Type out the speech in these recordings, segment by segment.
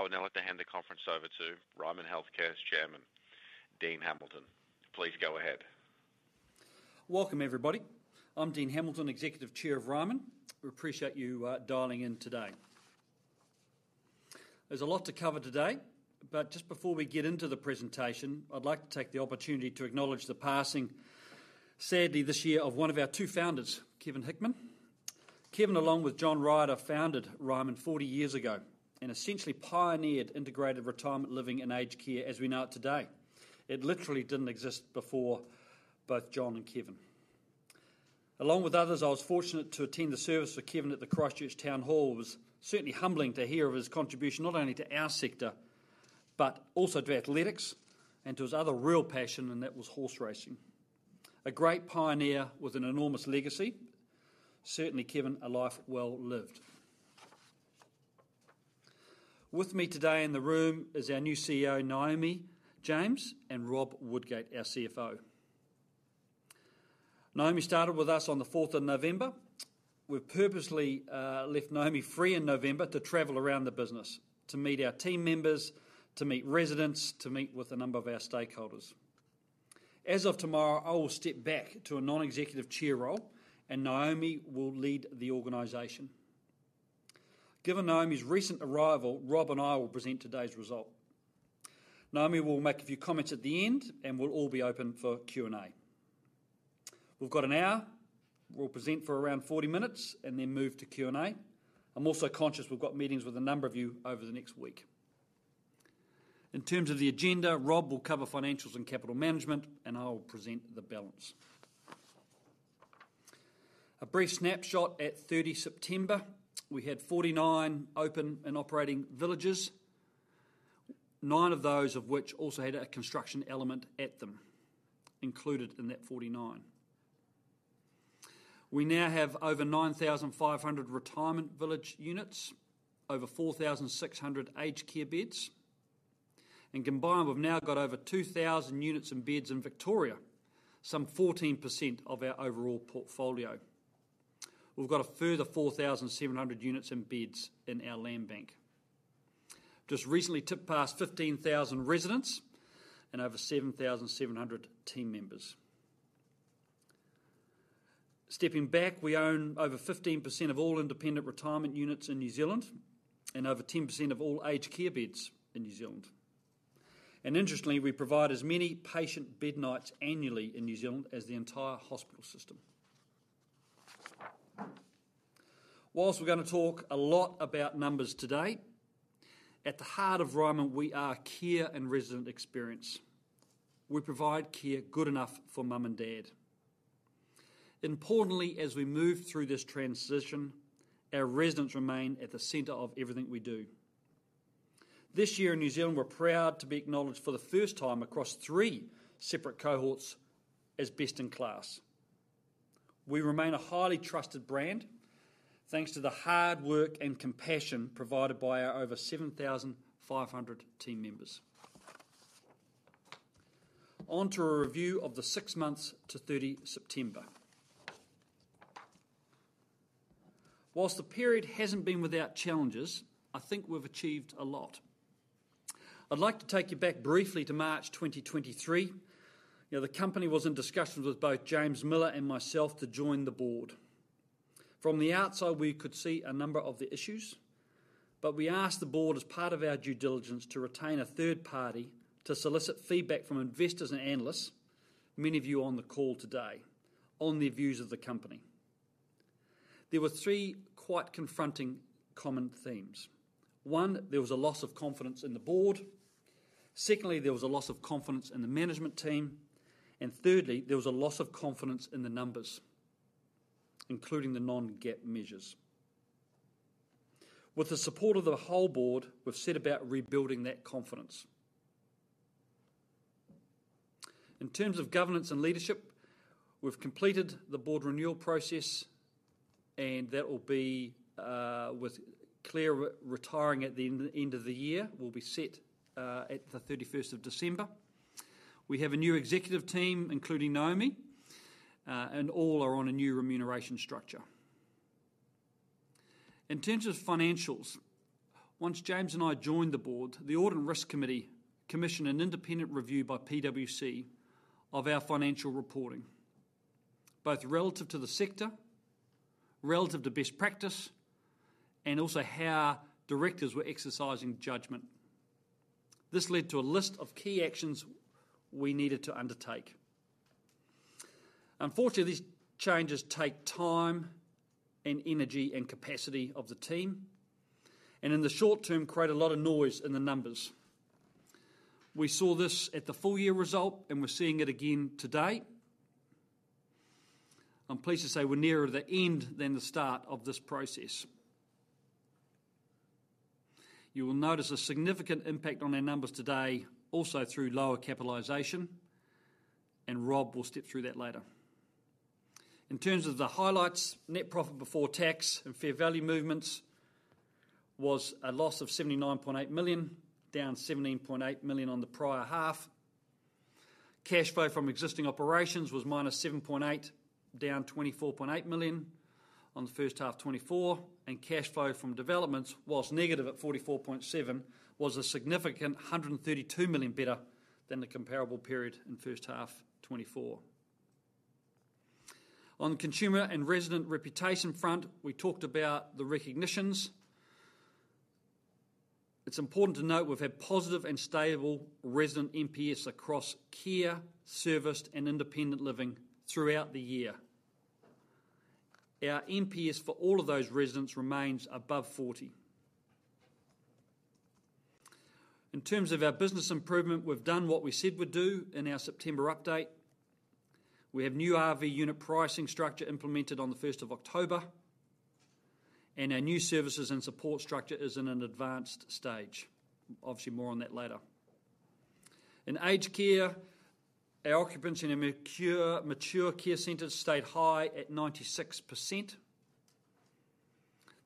I would now like to hand the conference over to Ryman Healthcare's Chairman, Dean Hamilton. Please go ahead. Welcome, everybody. I'm Dean Hamilton, Executive Chair of Ryman. We appreciate you dialing in today. There's a lot to cover today, but just before we get into the presentation, I'd like to take the opportunity to acknowledge the passing, sadly this year, of one of our two founders, Kevin Hickman. Kevin, along with John Ryder, founded Ryman 40 years ago and essentially pioneered integrated retirement living and aged care as we know it today. It literally didn't exist before both John and Kevin. Along with others, I was fortunate to attend the service for Kevin at the Christchurch Town Hall. It was certainly humbling to hear of his contribution not only to our sector but also to athletics and to his other real passion, and that was horse racing. A great pioneer with an enormous legacy. Certainly, Kevin, a life well lived. With me today in the room is our new CEO, Naomi James, and Rob Woodgate, our CFO. Naomi started with us on the 4th of November. We purposely left Naomi free in November to travel around the business, to meet our team members, to meet residents, to meet with a number of our stakeholders. As of tomorrow, I will step back to a non-executive chair role, and Naomi will lead the organization. Given Naomi's recent arrival, Rob and I will present today's result. Naomi will make a few comments at the end, and we'll all be open for Q&A. We've got an hour. We'll present for around 40 minutes and then move to Q&A. I'm also conscious we've got meetings with a number of you over the next week. In terms of the agenda, Rob will cover financials and capital management, and I will present the balance. A brief snapshot: at 30 September, we had 49 open and operating villages, nine of those of which also had a construction element at them included in that 49. We now have over 9,500 retirement village units, over 4,600 aged care beds, and combined, we've now got over 2,000 units and beds in Victoria, some 14% of our overall portfolio. We've got a further 4,700 units and beds in our land bank. Just recently tipped past 15,000 residents and over 7,700 team members. Stepping back, we own over 15% of all independent retirement units in New Zealand and over 10% of all aged care beds in New Zealand. And interestingly, we provide as many patient bed nights annually in New Zealand as the entire hospital system. Whilst we're going to talk a lot about numbers today, at the heart of Ryman, we are care and resident experience. We provide care good enough for mum and dad. Importantly, as we move through this transition, our residents remain at the center of everything we do. This year in New Zealand, we're proud to be acknowledged for the first time across three separate cohorts as best in class. We remain a highly trusted brand thanks to the hard work and compassion provided by our over 7,500 team members. On to a review of the six months to 30 September. While the period hasn't been without challenges, I think we've achieved a lot. I'd like to take you back briefly to March 2023. The company was in discussions with both James Miller and myself to join the board. From the outside, we could see a number of the issues, but we asked the board, as part of our due diligence, to retain a third party to solicit feedback from investors and analysts, many of you on the call today, on their views of the company. There were three quite confronting common themes. One, there was a loss of confidence in the board. Secondly, there was a loss of confidence in the management team. And thirdly, there was a loss of confidence in the numbers, including the non-GAAP measures. With the support of the whole board, we've set about rebuilding that confidence. In terms of governance and leadership, we've completed the board renewal process, and that will be with Claire retiring at the end of the year. We'll be set at the 31st of December. We have a new executive team, including Naomi, and all are on a new remuneration structure. In terms of financials, once James and I joined the board, the Audit and Risk Committee commissioned an independent review by PwC of our financial reporting, both relative to the sector, relative to best practice, and also how directors were exercising judgment. This led to a list of key actions we needed to undertake. Unfortunately, these changes take time and energy and capacity of the team, and in the short term, create a lot of noise in the numbers. We saw this at the full year result, and we're seeing it again today. I'm pleased to say we're nearer the end than the start of this process. You will notice a significant impact on our numbers today, also through lower capitalization, and Rob will step through that later. In terms of the highlights, net profit before tax and fair value movements was a loss of 79.8 million, down 17.8 million on the prior half. Cash flow from existing operations was minus 7.8 million, down 24.8 million on the first half 2024, and cash flow from developments, while negative at 44.7 million, was a significant 132 million better than the comparable period in first half 2024. On the consumer and resident reputation front, we talked about the recognitions. It's important to note we've had positive and stable resident NPS across care, serviced, and independent living throughout the year. Our NPS for all of those residents remains above 40. In terms of our business improvement, we've done what we said we'd do in our September update. We have new RV unit pricing structure implemented on the 1st of October, and our new services and support structure is in an advanced stage. Obviously, more on that later. In aged care, our occupancy in the mature care centers stayed high at 96%.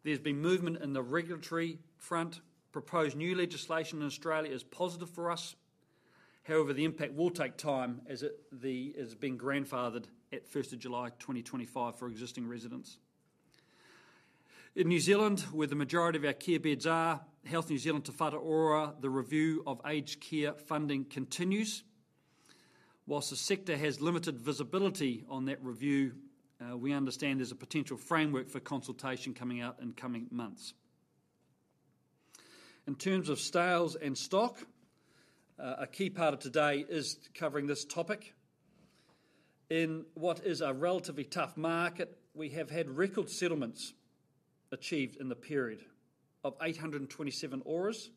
There's been movement in the regulatory front. Proposed new legislation in Australia is positive for us. However, the impact will take time as it has been grandfathered at 1st of July 2025 for existing residents. In New Zealand, where the majority of our care beds are, Health New Zealand Te Whatu Ora, the review of aged care funding continues. While the sector has limited visibility on that review, we understand there's a potential framework for consultation coming out in coming months. In terms of sales and stock, a key part of today is covering this topic. In what is a relatively tough market, we have had record settlements achieved in the period of 827 ORAs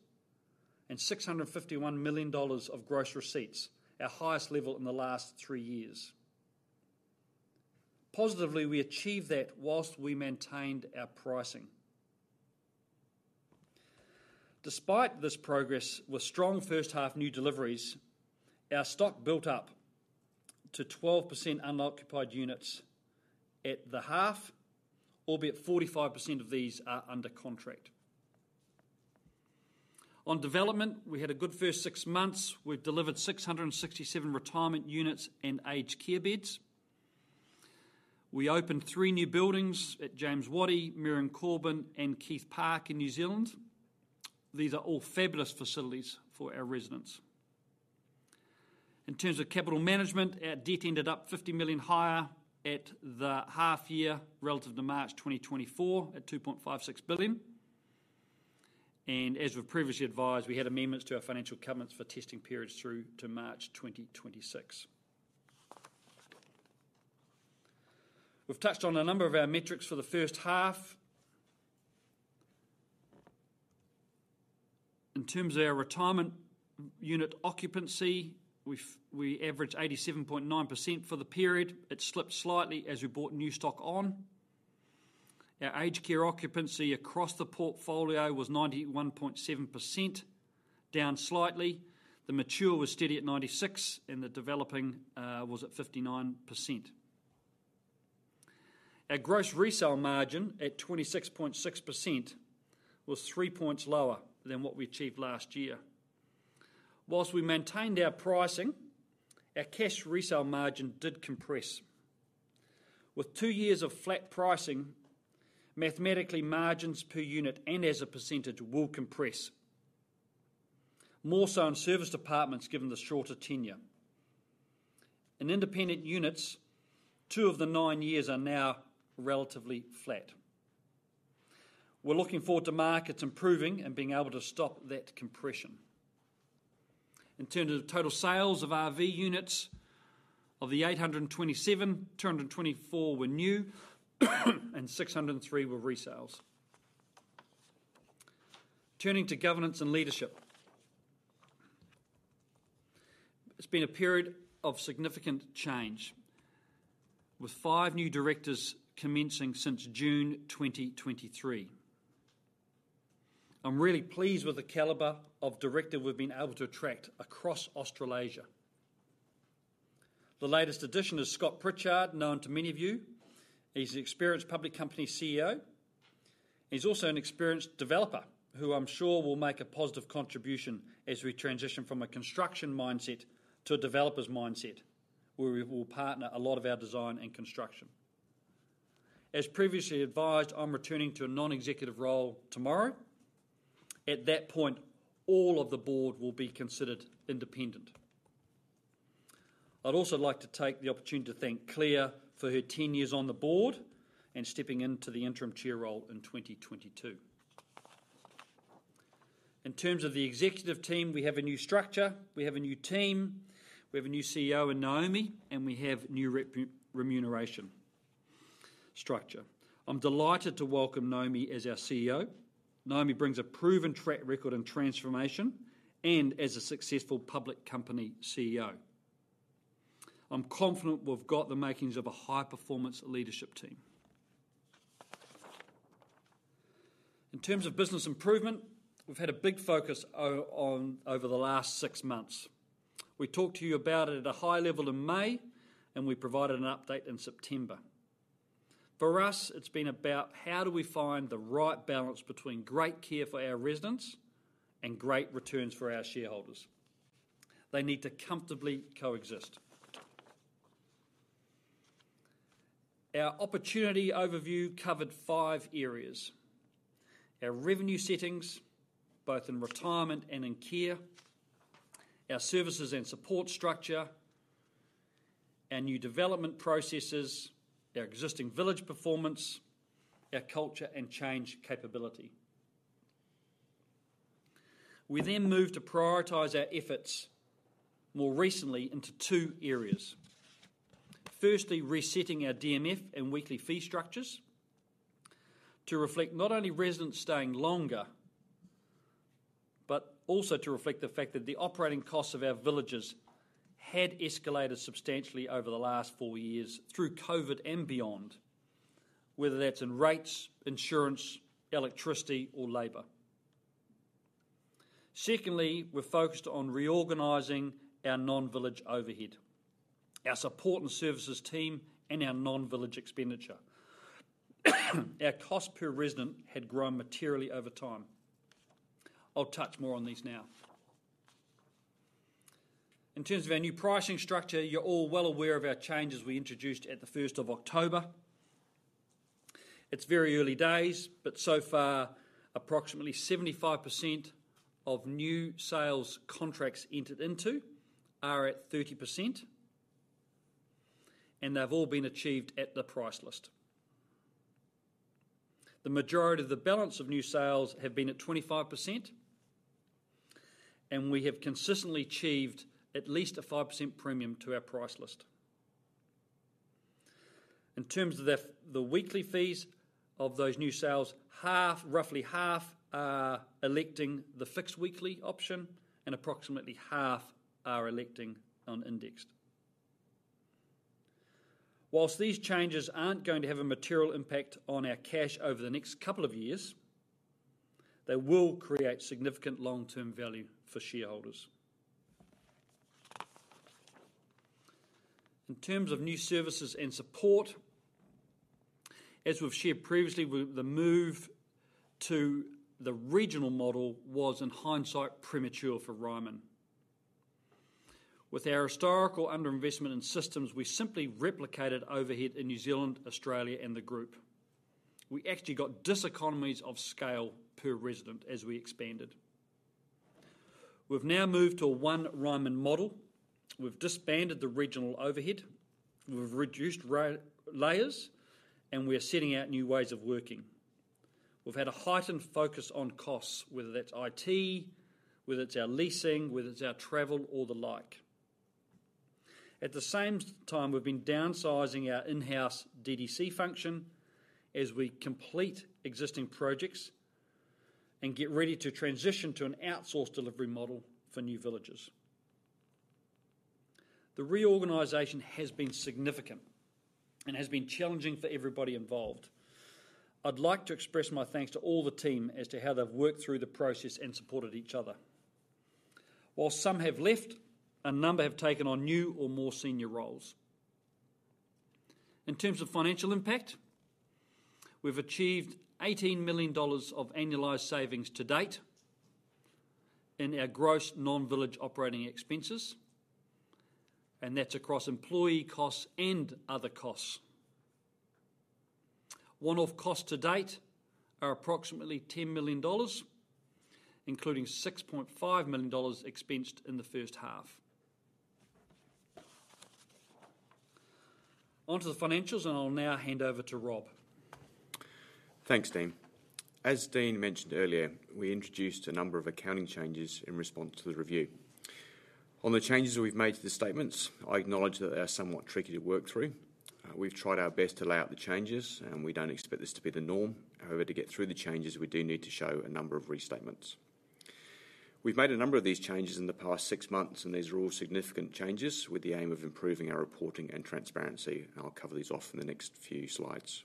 and 651 million dollars of gross receipts, our highest level in the last three years. Positively, we achieved that whilst we maintained our pricing. Despite this progress with strong first half new deliveries, our stock built up to 12% unoccupied units at the half, albeit 45% of these are under contract. On development, we had a good first six months. We've delivered 667 retirement units and aged care beds. We opened three new buildings at James Wattie, Miriam Corban, and Keith Park in New Zealand. These are all fabulous facilities for our residents. In terms of capital management, our debt ended up 50 million higher at the half year relative to March 2024 at 2.56 billion. And as we've previously advised, we had amendments to our financial covenants for testing periods through to March 2026. We've touched on a number of our metrics for the first half. In terms of our retirement unit occupancy, we averaged 87.9% for the period. It slipped slightly as we bought new stock on. Our aged care occupancy across the portfolio was 91.7%, down slightly. The mature was steady at 96%, and the developing was at 59%. Our gross resale margin at 26.6% was three points lower than what we achieved last year. While we maintained our pricing, our cash resale margin did compress. With two years of flat pricing, mathematically, margins per unit and as a percentage will compress, more so in serviced apartments given the shorter tenure. In independent units, two of the nine years are now relatively flat. We're looking forward to markets improving and being able to stop that compression. In terms of total sales of RV units, of the 827, 224 were new, and 603 were resales. Turning to governance and leadership, it's been a period of significant change, with five new directors commencing since June 2023. I'm really pleased with the caliber of directors we've been able to attract across Australasia. The latest addition is Scott Pritchard, known to many of you. He's an experienced public company CEO. He's also an experienced developer who I'm sure will make a positive contribution as we transition from a construction mindset to a developer's mindset where we will partner a lot of our design and construction. As previously advised, I'm returning to a non-executive role tomorrow. At that point, all of the board will be considered independent. I'd also like to take the opportunity to thank Claire for her ten years on the board and stepping into the interim chair role in 2022. In terms of the executive team, we have a new structure. We have a new team. We have a new CEO and Naomi, and we have new remuneration structure. I'm delighted to welcome Naomi as our CEO. Naomi brings a proven track record in transformation and as a successful public company CEO. I'm confident we've got the makings of a high-performance leadership team. In terms of business improvement, we've had a big focus over the last six months. We talked to you about it at a high level in May, and we provided an update in September. For us, it's been about how do we find the right balance between great care for our residents and great returns for our shareholders. They need to comfortably coexist. Our opportunity overview covered five areas: our revenue settings, both in retirement and in care, our services and support structure, our new development processes, our existing village performance, our culture and change capability. We then moved to prioritize our efforts more recently into two areas. Firstly, resetting our DMF and weekly fee structures to reflect not only residents staying longer, but also to reflect the fact that the operating costs of our villages had escalated substantially over the last four years through COVID and beyond, whether that's in rates, insurance, electricity, or labor. Secondly, we're focused on reorganizing our non-village overhead, our support and services team, and our non-village expenditure. Our cost per resident had grown materially over time. I'll touch more on these now. In terms of our new pricing structure, you're all well aware of our changes we introduced at the 1st of October. It's very early days, but so far, approximately 75% of new sales contracts entered into are at 30%, and they've all been achieved at the price list. The majority of the balance of new sales have been at 25%, and we have consistently achieved at least a 5% premium to our price list. In terms of the weekly fees of those new sales, roughly half are electing the fixed weekly option, and approximately half are electing unindexed. While these changes aren't going to have a material impact on our cash over the next couple of years, they will create significant long-term value for shareholders. In terms of new services and support, as we've shared previously, the move to the regional model was, in hindsight, premature for Ryman. With our historical underinvestment in systems, we simply replicated overhead in New Zealand, Australia, and the group. We actually got diseconomies of scale per resident as we expanded. We've now moved to a one-Ryman model. We've disbanded the regional overhead. We've reduced layers, and we're setting out new ways of working. We've had a heightened focus on costs, whether that's IT, whether it's our leasing, whether it's our travel, or the like. At the same time, we've been downsizing our in-house DDC function as we complete existing projects and get ready to transition to an outsourced delivery model for new villages. The reorganization has been significant and has been challenging for everybody involved. I'd like to express my thanks to all the team as to how they've worked through the process and supported each other. While some have left, a number have taken on new or more senior roles. In terms of financial impact, we've achieved 18 million dollars of annualized savings to date in our gross non-village operating expenses, and that's across employee costs and other costs. One-off costs to date are approximately 10 million dollars, including 6.5 million dollars expensed in the first half. On to the financials, and I'll now hand over to Rob. Thanks, Dean. As Dean mentioned earlier, we introduced a number of accounting changes in response to the review. On the changes we've made to the statements, I acknowledge that they are somewhat tricky to work through. We've tried our best to lay out the changes, and we don't expect this to be the norm. However, to get through the changes, we do need to show a number of restatements. We've made a number of these changes in the past six months, and these are all significant changes with the aim of improving our reporting and transparency. I'll cover these off in the next few slides.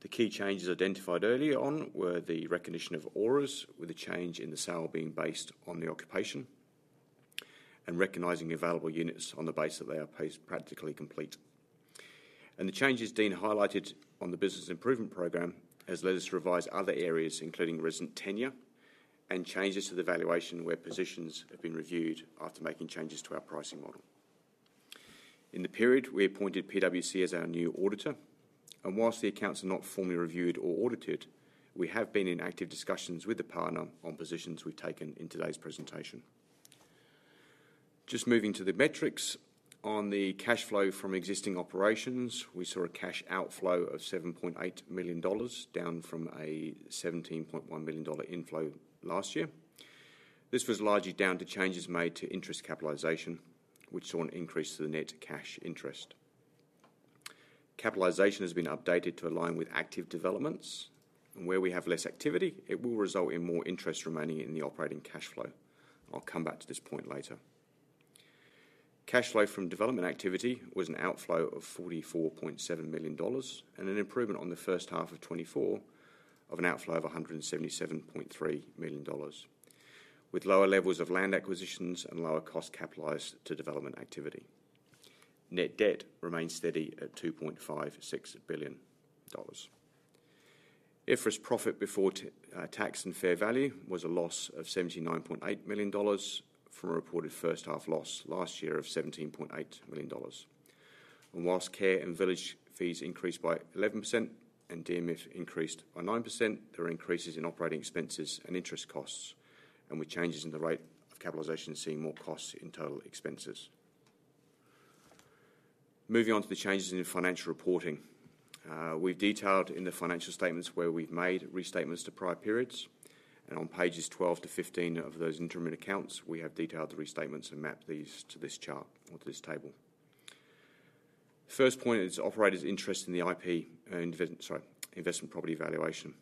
The key changes identified earlier on were the recognition of ORAs with a change in the sale being based on the ORA and recognizing available units on the basis that they are practically complete. The changes Dean highlighted on the business improvement program have led us to revise other areas, including resident tenure and changes to the valuation where positions have been reviewed after making changes to our pricing model. In the period, we appointed PwC as our new auditor, and while the accounts are not formally reviewed or audited, we have been in active discussions with the partner on positions we've taken in today's presentation. Just moving to the metrics, on the cash flow from existing operations, we saw a cash outflow of 7.8 million dollars, down from a 17.1 million dollar inflow last year. This was largely down to changes made to interest capitalization, which saw an increase to the net cash interest. Capitalization has been updated to align with active developments, and where we have less activity, it will result in more interest remaining in the operating cash flow. I'll come back to this point later. Cash flow from development activity was an outflow of 44.7 million dollars and an improvement on the first half of 2024 of an outflow of 177.3 million dollars, with lower levels of land acquisitions and lower costs capitalized to development activity. Net debt remained steady at 2.56 billion dollars. EBITDA profit before tax and fair value was a loss of 79.8 million dollars from a reported first half loss last year of 17.8 million dollars. While care and village fees increased by 11% and DMF increased by 9%, there were increases in operating expenses and interest costs, and with changes in the rate of capitalization, seeing more costs in total expenses. Moving on to the changes in financial reporting, we've detailed in the financial statements where we've made restatements to prior periods, and on pages 12-15 of those interim accounts, we have detailed the restatements and mapped these to this chart or to this table. First point is operators' interest in the IP investment property valuation,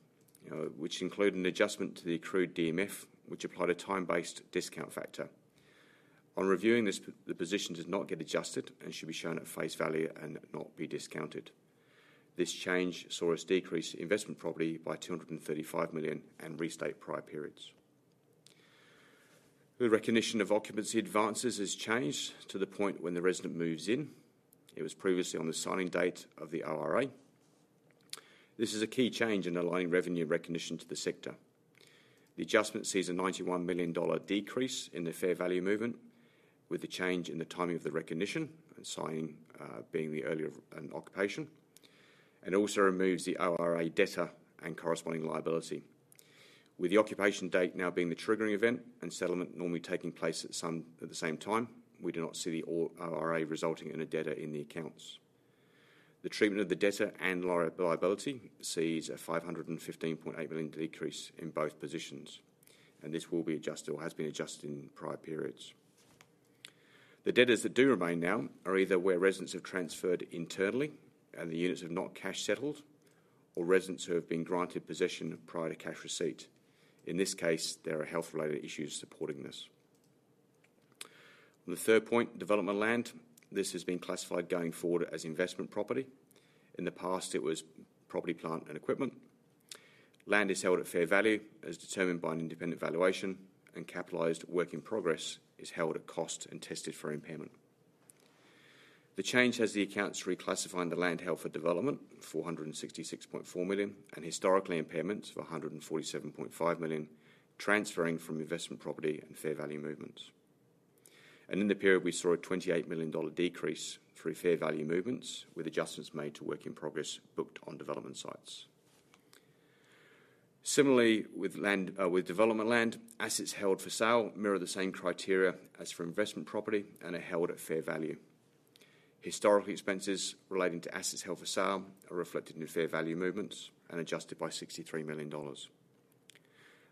which included an adjustment to the accrued DMF, which applied a time-based discount factor. On reviewing this, the positions did not get adjusted and should be shown at face value and not be discounted. This change saw us decrease investment property by 235 million and restate prior periods. The recognition of occupancy advances has changed to the point when the resident moves in. It was previously on the signing date of the ORA. This is a key change in aligning revenue recognition to the sector. The adjustment sees a 91 million dollar decrease in the fair value movement, with the change in the timing of the recognition and signing being the earlier occupation, and also removes the ORA debtor and corresponding liability. With the occupation date now being the triggering event and settlement normally taking place at the same time, we do not see the ORA resulting in a debtor in the accounts. The treatment of the debtor and liability sees a 515.8 million decrease in both positions, and this will be adjusted or has been adjusted in prior periods. The debtors that do remain now are either where residents have transferred internally and the units have not cash settled, or residents who have been granted possession prior to cash receipt. In this case, there are health-related issues supporting this. The third point, development land, this has been classified going forward as investment property. In the past, it was property, plant, and equipment. Land is held at fair value, as determined by an independent valuation, and capitalized work in progress is held at cost and tested for impairment. The change has the accounts reclassifying the land held for development, 466.4 million, and historically impairment of 147.5 million, transferring from investment property and fair value movements. In the period, we saw a 28 million dollar decrease through fair value movements, with adjustments made to work in progress booked on development sites. Similarly, with development land, assets held for sale mirror the same criteria as for investment property and are held at fair value. Historically, expenses relating to assets held for sale are reflected in fair value movements and adjusted by 63 million dollars.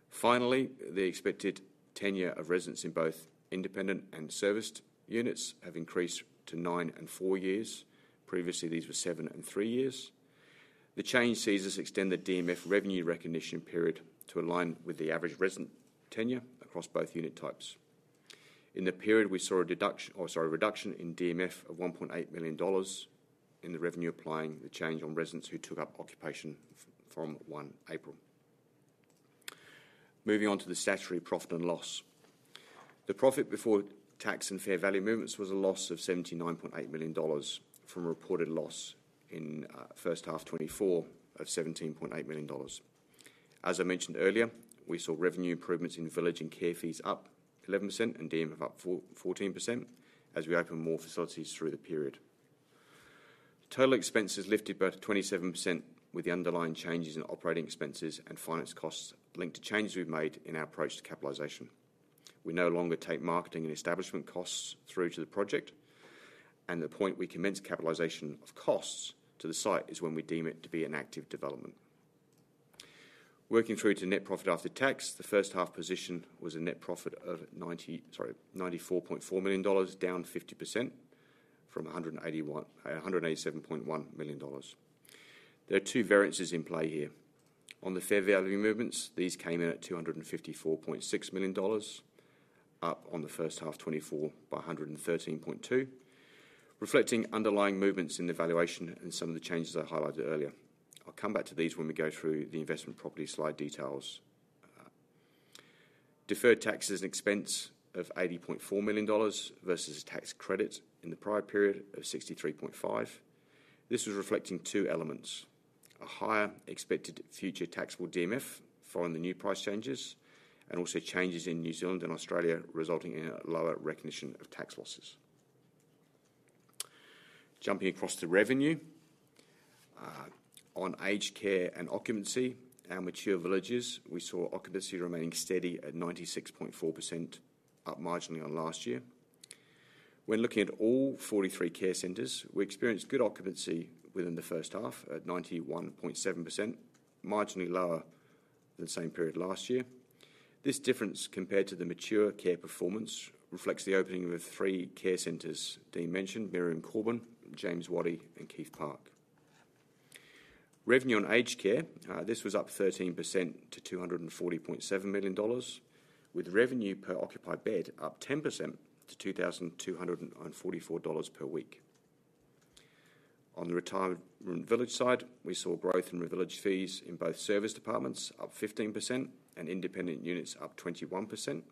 Finally, the expected tenure of residents in both independent and serviced units have increased to nine and four years. Previously, these were seven and three years. The change sees us extend the DMF revenue recognition period to align with the average resident tenure across both unit types. In the period, we saw a reduction in DMF of 1.8 million dollars in the revenue applying the change on residents who took up occupation from 1 April. Moving on to the statutory profit and loss. The profit before tax and fair value movements was a loss of 79.8 million dollars from reported loss in first half 2024 of 17.8 million dollars. As I mentioned earlier, we saw revenue improvements in village and care fees up 11% and DMF up 14% as we opened more facilities through the period. Total expenses lifted by 27% with the underlying changes in operating expenses and finance costs linked to changes we've made in our approach to capitalization. We no longer take marketing and establishment costs through to the project, and the point we commence capitalization of costs to the site is when we deem it to be an active development. Working through to net profit after tax, the first half position was a net profit of 94.4 million dollars, down 50% from 187.1 million dollars. There are two variances in play here. On the fair value movements, these came in at 254.6 million dollars, up on the first half 2024 by 113.2, reflecting underlying movements in the valuation and some of the changes I highlighted earlier. I'll come back to these when we go through the investment property slide details. Deferred taxes and expense of 80.4 million dollars versus a tax credit in the prior period of 63.5. This was reflecting two elements: a higher expected future taxable DMF following the new price changes, and also changes in New Zealand and Australia resulting in a lower recognition of tax losses. Jumping across to revenue, on aged care and occupancy, our mature villages, we saw occupancy remaining steady at 96.4%, up marginally on last year. When looking at all 43 care centres, we experienced good occupancy within the first half at 91.7%, marginally lower than the same period last year. This difference compared to the mature care performance reflects the opening of three care centres, Dean mentioned, Miriam Corban, James Wattie, and Keith Park. Revenue on aged care, this was up 13% to 240.7 million dollars, with revenue per occupied bed up 10% to 2,244 dollars per week. On the retirement village side, we saw growth in village fees in both serviced apartments, up 15%, and independent units, up 21%.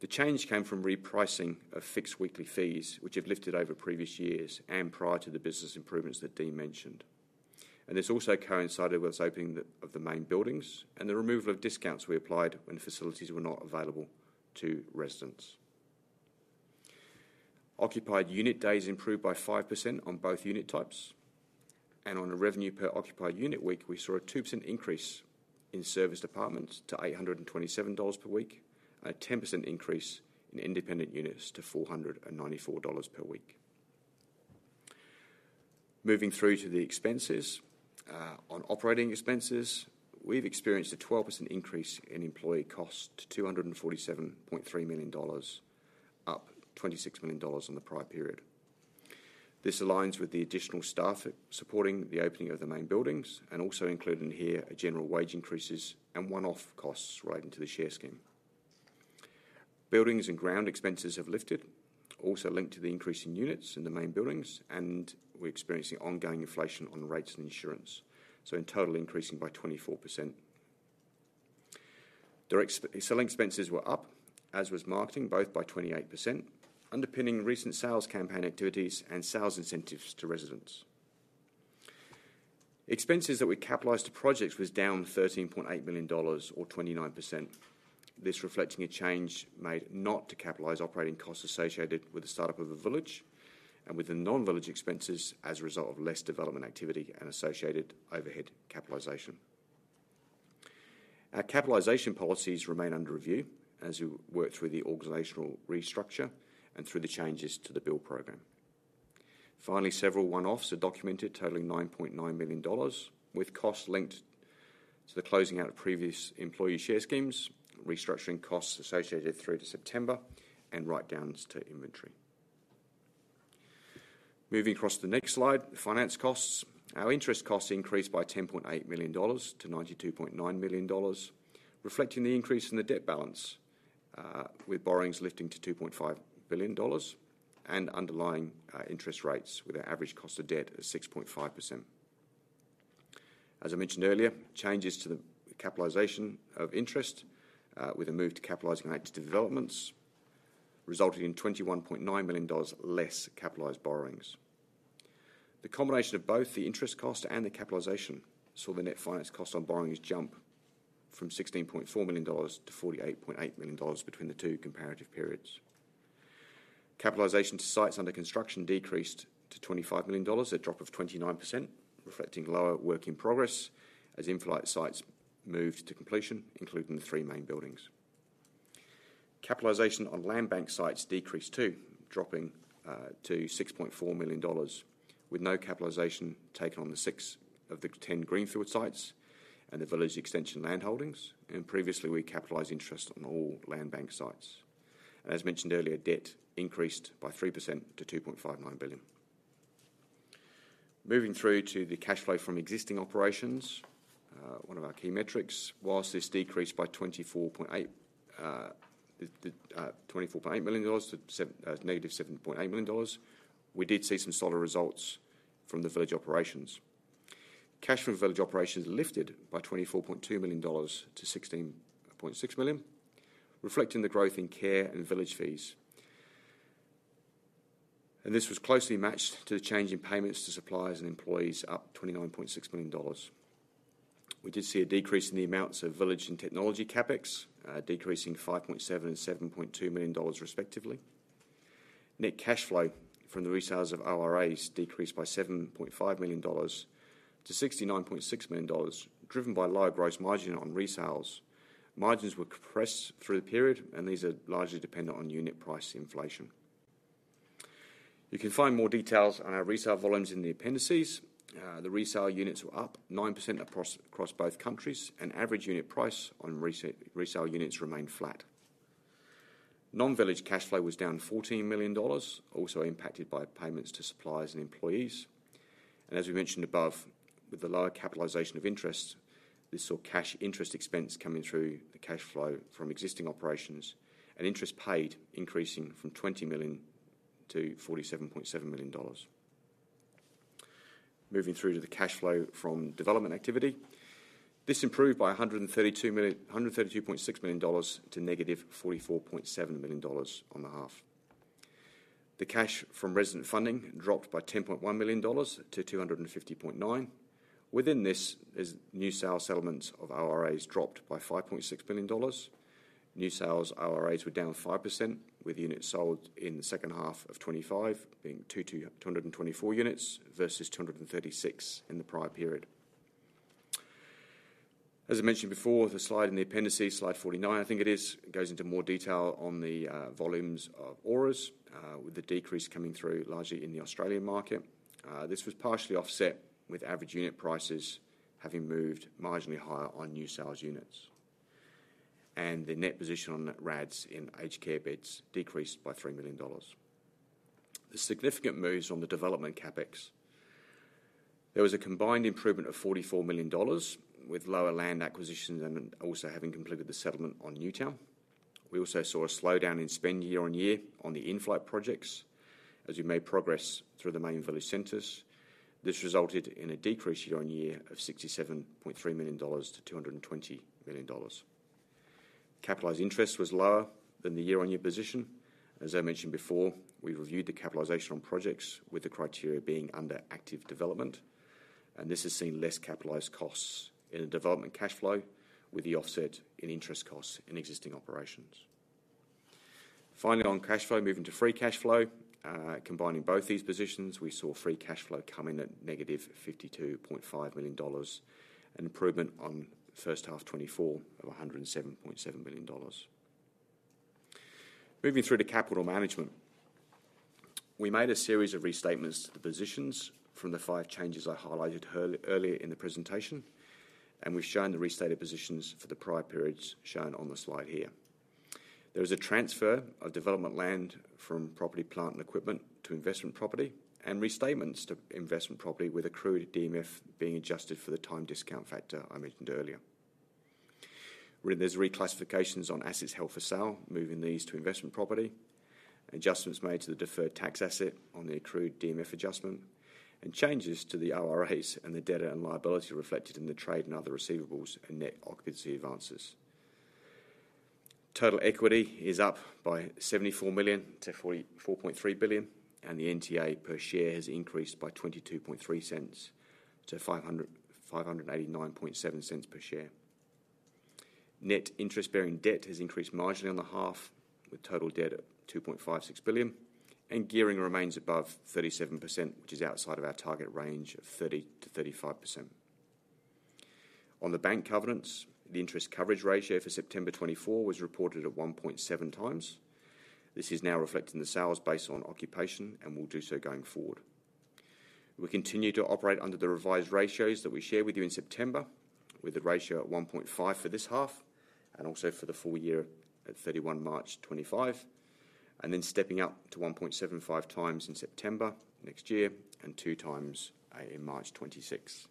The change came from repricing of fixed weekly fees, which have lifted over previous years and prior to the business improvements that Dean mentioned, and this also coincided with the opening of the main buildings and the removal of discounts we applied when facilities were not available to residents. Occupied unit days improved by 5% on both unit types, and on a revenue per occupied unit week, we saw a 2% increase in serviced apartments to 827 per week and a 10% increase in independent units to 494 per week. Moving through to the expenses, on operating expenses, we've experienced a 12% increase in employee costs to 247.3 million dollars, up 26 million dollars on the prior period. This aligns with the additional staff supporting the opening of the main buildings and also included in here are general wage increases and one-off costs relating to the share scheme. Buildings and ground expenses have lifted, also linked to the increase in units in the main buildings, and we're experiencing ongoing inflation on rates and insurance, so in total increasing by 24%. Selling expenses were up, as was marketing, both by 28%, underpinning recent sales campaign activities and sales incentives to residents. Expenses that we capitalized to projects was down 13.8 million dollars, or 29%. This reflecting a change made not to capitalize operating costs associated with the startup of a village and with the non-village expenses as a result of less development activity and associated overhead capitalization. Our capitalization policies remain under review as we work through the organizational restructure and through the changes to the build program. Finally, several one-offs are documented, totaling 9.9 million dollars, with costs linked to the closing out of previous employee share schemes, restructuring costs associated through to September, and write-downs to inventory. Moving across to the next slide, finance costs. Our interest costs increased by 10.8 million-92.9 million dollars, reflecting the increase in the debt balance, with borrowings lifting to 2.5 billion dollars and underlying interest rates with an average cost of debt of 6.5%. As I mentioned earlier, changes to the capitalization of interest, with a move to capitalizing on active developments, resulted in 21.9 million dollars less capitalized borrowings. The combination of both the interest cost and the capitalization saw the net finance cost on borrowings jump from 16.4 million-48.8 million dollars between the two comparative periods. Capitalization to sites under construction decreased to 25 million dollars, a drop of 29%, reflecting lower work in progress as in-flight sites moved to completion, including the three main buildings. Capitalization on land bank sites decreased too, dropping to 6.4 million dollars, with no capitalization taken on the six of the ten Greenfield sites and the village extension land holdings, and previously we capitalized interest on all land bank sites. As mentioned earlier, debt increased by 3% to 2.59 billion. Moving through to the cash flow from existing operations, one of our key metrics. While this decreased by 24.8 million dollars to negative 7.8 million dollars, we did see some solid results from the village operations. Cash from village operations lifted by NZD 24.2 million-NZD 16.6 million, reflecting the growth in care and village fees. This was closely matched to the change in payments to suppliers and employees, up 29.6 million dollars. We did see a decrease in the amounts of village and technology CapEx, decreasing 5.7 million and 7.2 million dollars respectively. Net cash flow from the resales of ORAs decreased by 7.5 million dollars to 69.6 million dollars, driven by lower gross margin on resales. Margins were compressed through the period, and these are largely dependent on unit price inflation. You can find more details on our resale volumes in the appendices. The resale units were up 9% across both countries, and average unit price on resale units remained flat. Non-village cash flow was down NZD 14 million, also impacted by payments to suppliers and employees. And as we mentioned above, with the lower capitalization of interest, this saw cash interest expense coming through the cash flow from existing operations, and interest paid increasing from 20 million-47.7 million dollars. Moving through to the cash flow from development activity, this improved by 132.6 million to negative 44.7 million dollars on the half. The cash from resident funding dropped by 10.1 million-250.9 million dollars. Within this, new sales settlements of ORAs dropped by 5.6 million dollars. New sales ORAs were down 5%, with units sold in the second half of 2025 being 224 units versus 236 in the prior period. As I mentioned before, the slide in the appendix is slide 49, I think it is. It goes into more detail on the volumes of ORAs, with the decrease coming through largely in the Australian market. This was partially offset with average unit prices having moved marginally higher on new sales units. And the net position on RADs in aged care beds decreased by 3 million dollars. The significant moves on the development CapEx. There was a combined improvement of 44 million dollars, with lower land acquisitions and also having completed the settlement on Newtown. We also saw a slowdown in spend year on year on the inflight projects as we made progress through the main village centers. This resulted in a decrease year on year of 67.3 million-220 million dollars. Capitalized interest was lower than the year on year position. As I mentioned before, we reviewed the capitalization on projects with the criteria being under active development, and this has seen less capitalized costs in the development cash flow, with the offset in interest costs in existing operations. Finally, on cash flow, moving to free cash flow, combining both these positions, we saw free cash flow coming at negative 52.5 million dollars and improvement on first half 2024 of 107.7 million dollars. Moving through to capital management, we made a series of restatements to the positions from the five changes I highlighted earlier in the presentation, and we've shown the restated positions for the prior periods shown on the slide here. There was a transfer of development land from property, plant, and equipment to investment property and restatements to investment property, with accrued DMF being adjusted for the time discount factor I mentioned earlier. There's reclassifications on assets held for sale, moving these to investment property. Adjustments made to the deferred tax asset on the accrued DMF adjustment and changes to the ORAs and the debtor and liability reflected in the trade and other receivables and net occupancy advances. Total equity is up by 74 million-4.43 billion, and the NTA per share has increased by 0.223-5.897 per share. Net interest-bearing debt has increased marginally on the half, with total debt at 2.56 billion, and gearing remains above 37%, which is outside of our target range of 30%-35%. On the bank covenants, the interest coverage ratio for September 2024 was reported at 1.7 times. This is now reflecting the sales based on occupation and will do so going forward. We continue to operate under the revised ratios that we shared with you in September, with the ratio at 1.5 for this half and also for the full year at 31 March 2025, and then stepping up to 1.75 times in September next year and two times in March 2026,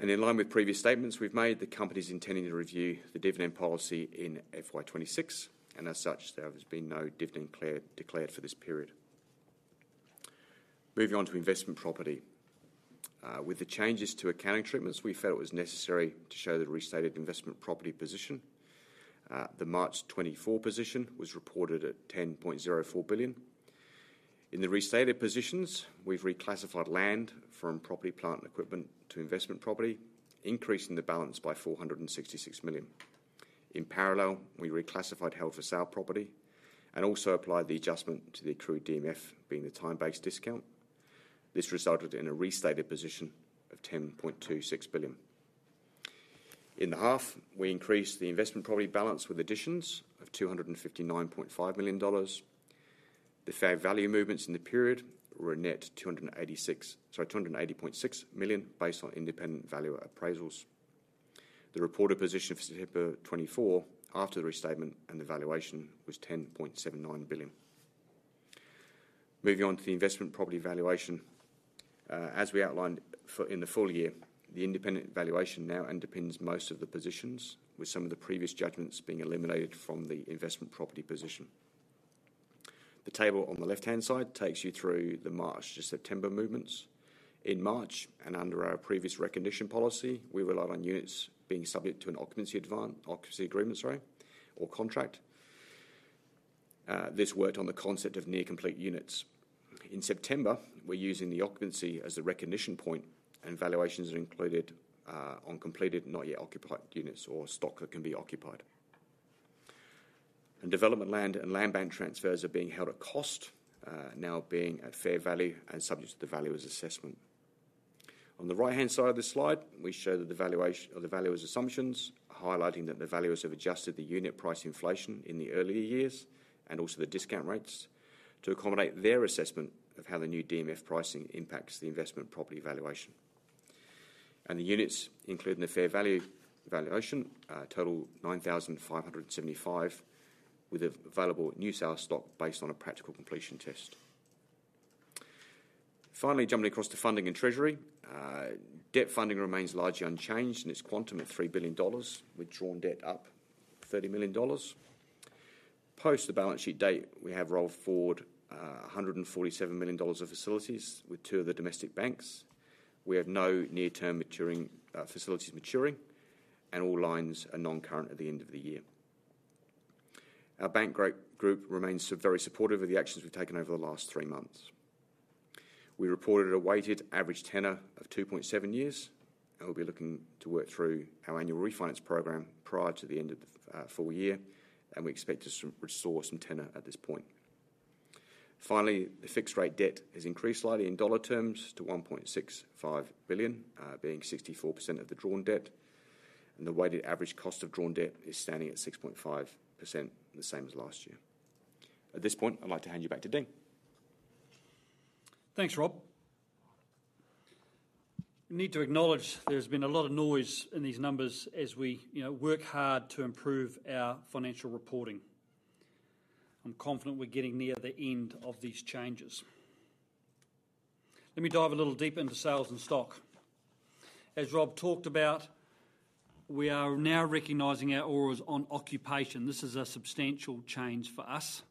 and in line with previous statements we've made, the company is intending to review the dividend policy in FY26, and as such, there has been no dividend declared for this period. Moving on to investment property. With the changes to accounting treatments, we felt it was necessary to show the restated investment property position. The March 2024 position was reported at 10.04 billion. In the restated positions, we've reclassified land from property, plant, and equipment to investment property, increasing the balance by 466 million. In parallel, we reclassified held for sale property and also applied the adjustment to the accrued DMF, being the time-based discount. This resulted in a restated position of 10.26 billion. In the half, we increased the investment property balance with additions of 259.5 million dollars. The fair value movements in the period were a net 280.6 million based on independent value appraisals. The reported position for September 2024 after the restatement and the valuation was 10.79 billion. Moving on to the investment property valuation. As we outlined in the full year, the independent valuation now underpins most of the positions, with some of the previous judgments being eliminated from the investment property position. The table on the left-hand side takes you through the March to September movements. In March and under our previous recognition policy, we relied on units being subject to an occupancy agreement or contract. This worked on the concept of near-complete units. In September, we're using the occupancy as a reoccupation point, and valuations are included on completed and not yet occupied units or stock that can be occupied, and development land and land banks are being held at cost, now being at fair value and subject to the value assessment. On the right-hand side of the slide, we show the value assumptions, highlighting that the valuers have adjusted the unit price inflation in the earlier years and also the discount rates to accommodate their assessment of how the new DMF pricing impacts the investment property valuation, and the units include the fair value valuation, total 9,575, with available new sales stock based on a practical completion test. Finally, jumping across to funding and treasury, debt funding remains largely unchanged in its quantum at 3 billion dollars, drawn debt up 30 million dollars. Post the balance sheet date, we have rolled forward 147 million dollars of facilities with two of the domestic banks. We have no near-term facilities maturing, and all lines are non-current at the end of the year. Our bank group remains very supportive of the actions we've taken over the last three months. We reported a weighted average tenor of 2.7 years, and we'll be looking to work through our annual refinance program prior to the end of the full year, and we expect to restore some tenor at this point. Finally, the fixed-rate debt has increased slightly in dollar terms to 1.65 billion, being 64% of the drawn debt, and the weighted average cost of drawn debt is standing at 6.5%, the same as last year. At this point, I'd like to hand you back to Dean. Thanks, Rob. We need to acknowledge there's been a lot of noise in these numbers as we work hard to improve our financial reporting. I'm confident we're getting near the end of these changes. Let me dive a little deeper into sales and stock. As Rob talked about, we are now recognizing our ORAs on occupation. This is a substantial change for us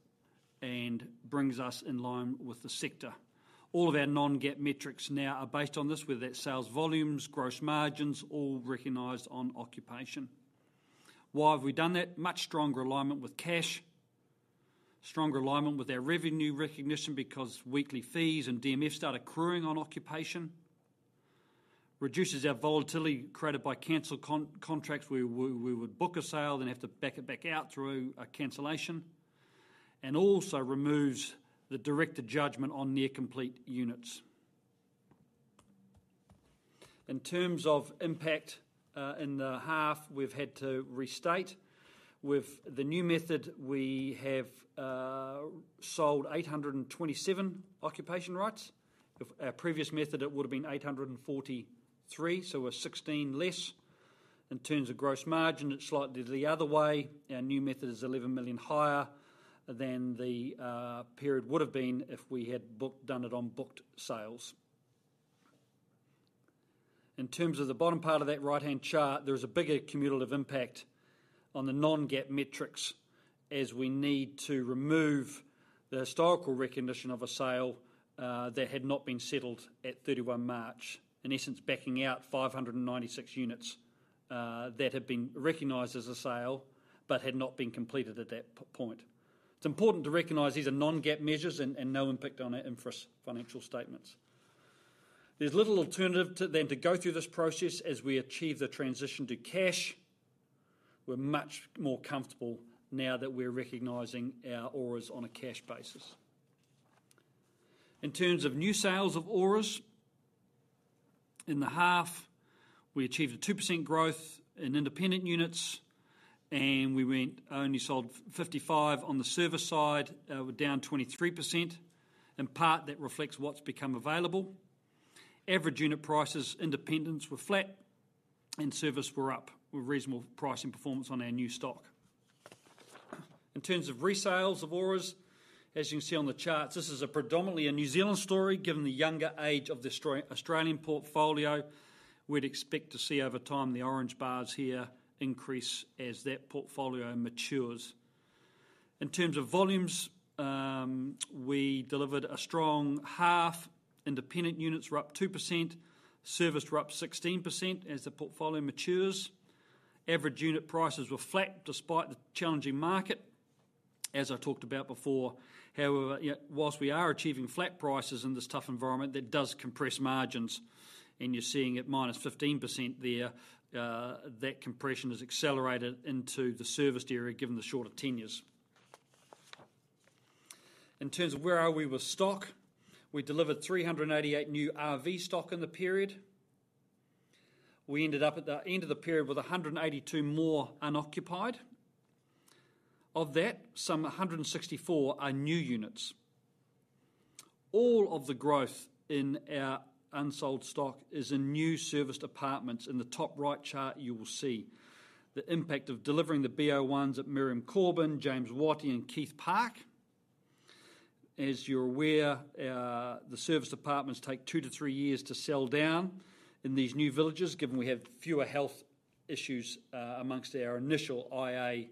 and brings us in line with the sector. All of our non-GAAP metrics now are based on this, whether that's sales volumes, gross margins, all recognized on occupation. Why have we done that? Much stronger alignment with cash, stronger alignment with our revenue recognition because weekly fees and DMF start accruing on occupation, reduces our volatility created by canceled contracts where we would book a sale and have to back it back out through a cancellation, and also removes the direct judgment on near-complete units. In terms of impact in the half, we've had to restate. With the new method, we have sold 827 occupation rights. Our previous method, it would have been 843, so we're 16 less. In terms of gross margin, it's slightly the other way. Our new method is 11 million higher than the period would have been if we had done it on booked sales. In terms of the bottom part of that right-hand chart, there is a bigger cumulative impact on the non-GAAP metrics as we need to remove the historical recognition of a sale that had not been settled at 31 March, in essence backing out 596 units that had been recognized as a sale but had not been completed at that point. It's important to recognize these are non-GAAP measures and no impact on our interim financial statements. There's little alternative than to go through this process as we achieve the transition to cash. We're much more comfortable now that we're recognizing our ORAs on a cash basis. In terms of new sales of ORAs, in the half, we achieved a 2% growth in independent units, and we only sold 55 on the service side, down 23%. In part, that reflects what's become available. Average unit prices independents were flat, and service were up with reasonable pricing performance on our new stock. In terms of resales of ORAs, as you can see on the charts, this is predominantly a New Zealand story given the younger age of the Australian portfolio. We'd expect to see over time the orange bars here increase as that portfolio matures. In terms of volumes, we delivered a strong half. Independent units were up 2%. Service were up 16% as the portfolio matures. Average unit prices were flat despite the challenging market. As I talked about before, however, while we are achieving flat prices in this tough environment, that does compress margins, and you're seeing -15% there, that compression has accelerated into the serviced area given the shorter tenures. In terms of where are we with stock, we delivered 388 new RV stock in the period. We ended up at the end of the period with 182 more unoccupied. Of that, some 164 are new units. All of the growth in our unsold stock is in new serviced apartments. In the top right chart, you will see the impact of delivering the B01s at Miriam Corban, James Wattie, and Keith Park. As you're aware, the serviced apartments take two to three years to sell down in these new villages, given we have fewer health issues among our initial IA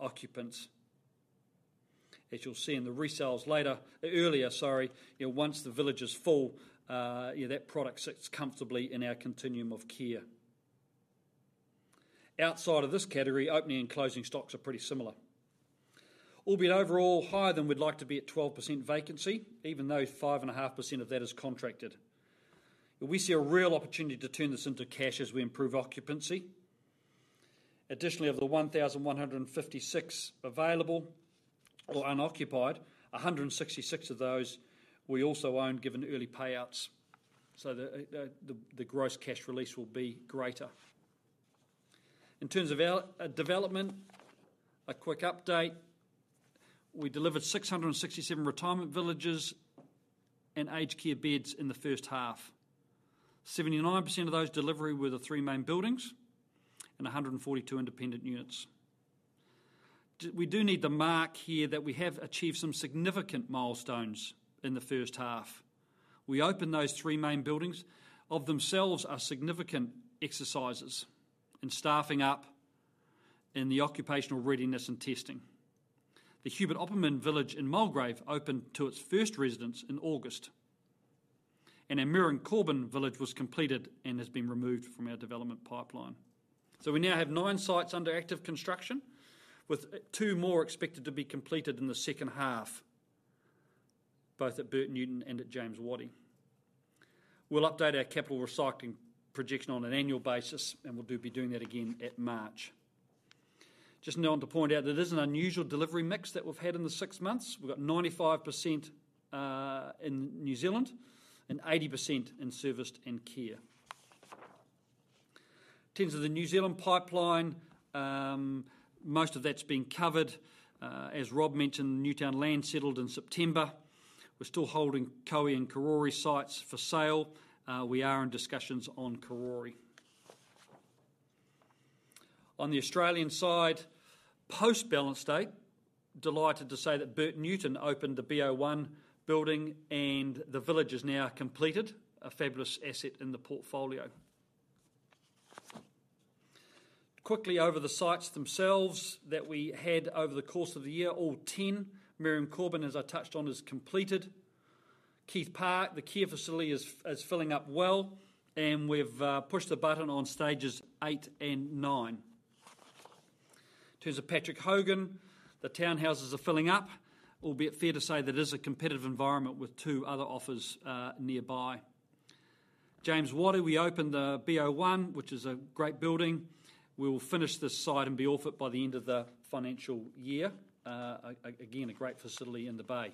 occupants. As you'll see in the resales later, earlier, sorry, once the village is full, that product sits comfortably in our continuum of care. Outside of this category, opening and closing stocks are pretty similar. Albeit overall, higher than we'd like to be at 12% vacancy, even though 5.5% of that is contracted. We see a real opportunity to turn this into cash as we improve occupancy. Additionally, of the 1,156 available or unoccupied, 166 of those we also own given early payouts. So the gross cash release will be greater. In terms of development, a quick update. We delivered 667 retirement villages and aged care beds in the first half. 79% of those delivery were the three main buildings and 142 independent units. We do need to mark here that we have achieved some significant milestones in the first half. We opened those three main buildings. Of themselves, are significant exercises in staffing up and the occupational readiness and testing. The Hubert Opperman Village in Mulgrave opened to its first residents in August, and our Miriam Corban Village was completed and has been removed from our development pipeline. So we now have nine sites under active construction, with two more expected to be completed in the second half, both at Bert Newton and at James Wattie. We'll update our capital recycling projection on an annual basis, and we'll be doing that again at March. Just want to point out that it is an unusual delivery mix that we've had in the six months. We've got 95% in New Zealand and 80% in serviced and care. In terms of the New Zealand pipeline, most of that's been covered. As Rob mentioned, Newtown land settled in September. We're still holding Kohimarama and Karori sites for sale. We are in discussions on Karori. On the Australian side, post-balance date, delighted to say that Bert Newton opened the B01 building, and the village is now completed, a fabulous asset in the portfolio. Quickly over the sites themselves that we had over the course of the year, all 10. Miriam Corban, as I touched on, is completed. Keith Park, the care facility, is filling up well, and we've pushed the button on stages eight and nine. In terms of Patrick Hogan, the townhouses are filling up, albeit fair to say that it is a competitive environment with two other offers nearby. James Wattie, we opened the B01, which is a great building. We will finish this site and be off it by the end of the financial year. Again, a great facility in the bay.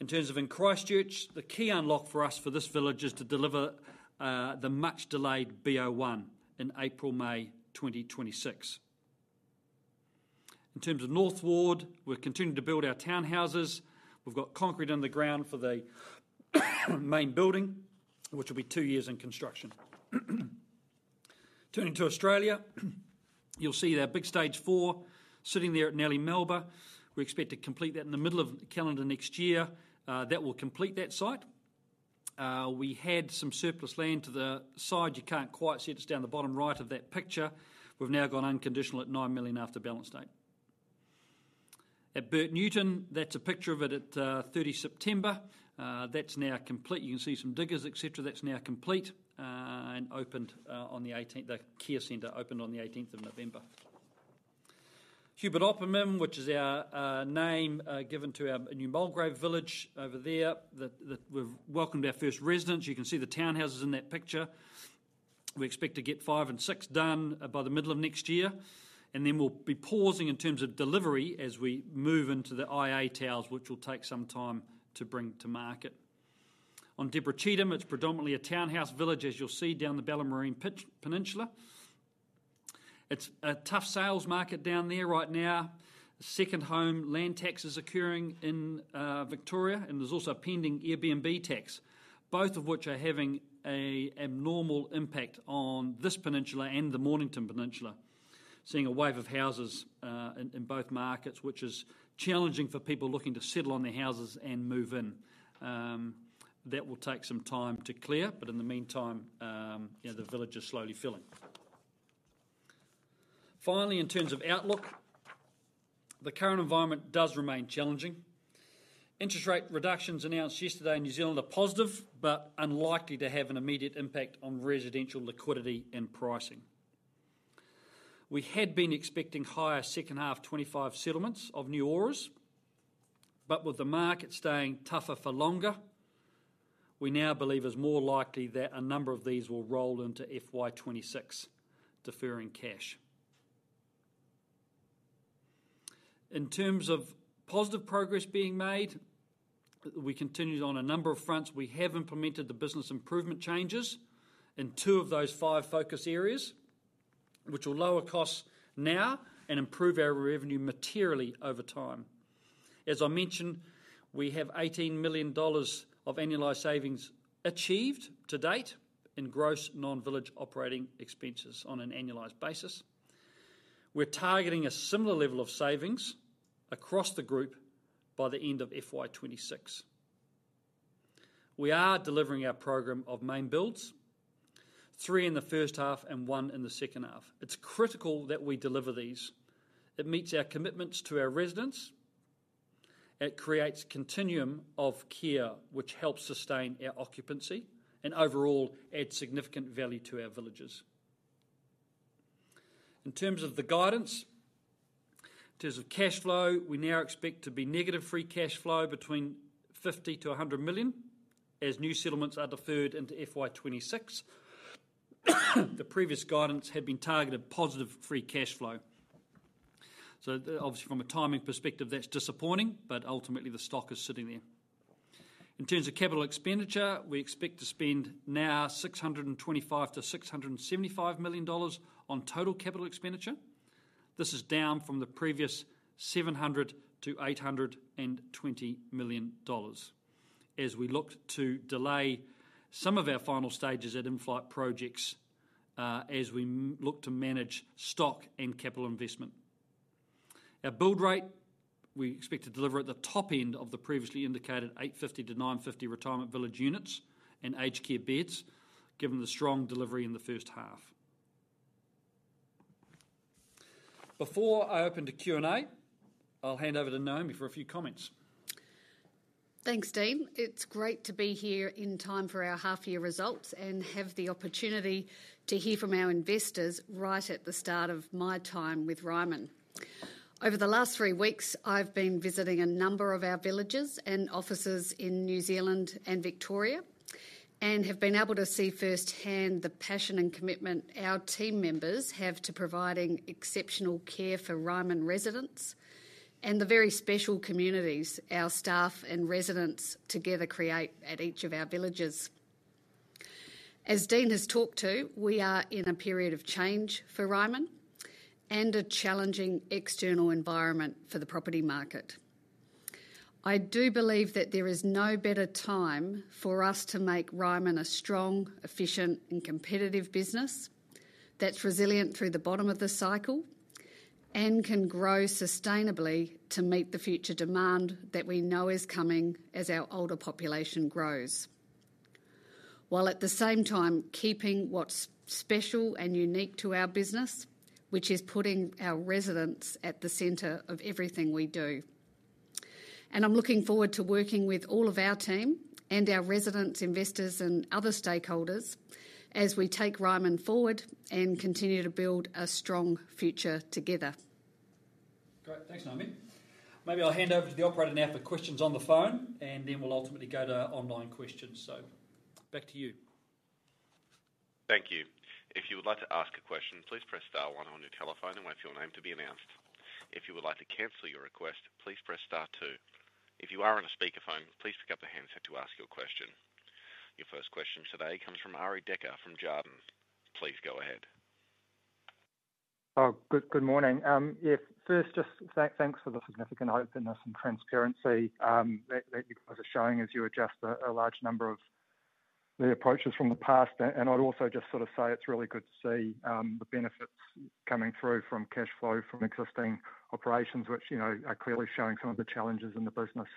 In terms of in Christchurch, the key unlock for us for this village is to deliver the much-delayed B01 in April/May 2026. In terms of Northwood, we're continuing to build our townhouses. We've got concrete under the ground for the main building, which will be two years in construction. Turning to Australia, you'll see that big stage four sitting there at Nellie Melba. We expect to complete that in the middle of the calendar next year. That will complete that site. We had some surplus land to the side. You can't quite see it. It's down the bottom right of that picture. We've now gone unconditional at 9 million after balance date. At Bert Newton, that's a picture of it at 30 September. That's now complete. You can see some diggers, etc. That's now complete and opened on the 18th. The care centre opened on the 18th of November. Hubert Opperman, which is our name given to our new Mulgrave village over there. We've welcomed our first residents. You can see the townhouses in that picture. We expect to get five and six done by the middle of next year, and then we'll be pausing in terms of delivery as we move into the IA towers, which will take some time to bring to market. On Deborah Cheetham, it's predominantly a townhouse village, as you'll see down the Bellarine Peninsula. It's a tough sales market down there right now. Second home land tax is occurring in Victoria, and there's also a pending Airbnb tax, both of which are having a nominal impact on this peninsula and the Mornington Peninsula. Seeing a wave of houses in both markets, which is challenging for people looking to settle on their houses and move in. That will take some time to clear, but in the meantime, the village is slowly filling. Finally, in terms of outlook, the current environment does remain challenging. Interest rate reductions announced yesterday in New Zealand are positive but unlikely to have an immediate impact on residential liquidity and pricing. We had been expecting higher second half 25 settlements of new ORAs, but with the market staying tougher for longer, we now believe it's more likely that a number of these will roll into FY26, deferring cash. In terms of positive progress being made, we continued on a number of fronts. We have implemented the business improvement changes in two of those five focus areas, which will lower costs now and improve our revenue materially over time. As I mentioned, we have 18 million dollars of annualized savings achieved to date in gross non-village operating expenses on an annualized basis. We're targeting a similar level of savings across the group by the end of FY26. We are delivering our program of main builds, three in the first half and one in the second half. It's critical that we deliver these. It meets our commitments to our residents. It creates a continuum of care, which helps sustain our occupancy and overall adds significant value to our villages. In terms of the guidance, in terms of cash flow, we now expect to be negative free cash flow between 50 million-100 million as new settlements are deferred into FY26. The previous guidance had been targeted positive free cash flow. So obviously, from a timing perspective, that's disappointing, but ultimately, the stock is sitting there. In terms of capital expenditure, we expect to spend now 625 million-675 million dollars on total capital expenditure. This is down from the previous 700 million-820 million dollars as we look to delay some of our final stages at in-flight projects as we look to manage stock and capital investment. Our build rate, we expect to deliver at the top end of the previously indicated 850-950 retirement village units and aged care beds, given the strong delivery in the first half. Before I open to Q&A, I'll hand over to Naomi for a few comments. Thanks, Dean. It's great to be here in time for our half-year results and have the opportunity to hear from our investors right at the start of my time with Ryman. Over the last three weeks, I've been visiting a number of our villages and offices in New Zealand and Victoria and have been able to see firsthand the passion and commitment our team members have to providing exceptional care for Ryman residents and the very special communities our staff and residents together create at each of our villages. As Dean has talked to, we are in a period of change for Ryman and a challenging external environment for the property market. I do believe that there is no better time for us to make Ryman a strong, efficient, and competitive business that's resilient through the bottom of the cycle and can grow sustainably to meet the future demand that we know is coming as our older population grows, while at the same time keeping what's special and unique to our business, which is putting our residents at the center of everything we do. I'm looking forward to working with all of our team and our residents, investors, and other stakeholders as we take Ryman forward and continue to build a strong future together. Great. Thanks, Naomi. Maybe I'll hand over to the operator now for questions on the phone, and then we'll ultimately go to online questions. So back to you. Thank you. If you would like to ask a question, please press star one on your telephone and wait for your name to be announced. If you would like to cancel your request, please press star two. If you are on a speakerphone, please pick up the handset to ask your question. Your first question today comes from Arie Dekker from Jarden. Please go ahead. Good morning. Yes, first, just thanks for the significant openness and transparency that you guys are showing as you adjust a large number of the approaches from the past. And I'd also just sort of say it's really good to see the benefits coming through from cash flow from existing operations, which are clearly showing some of the challenges in the business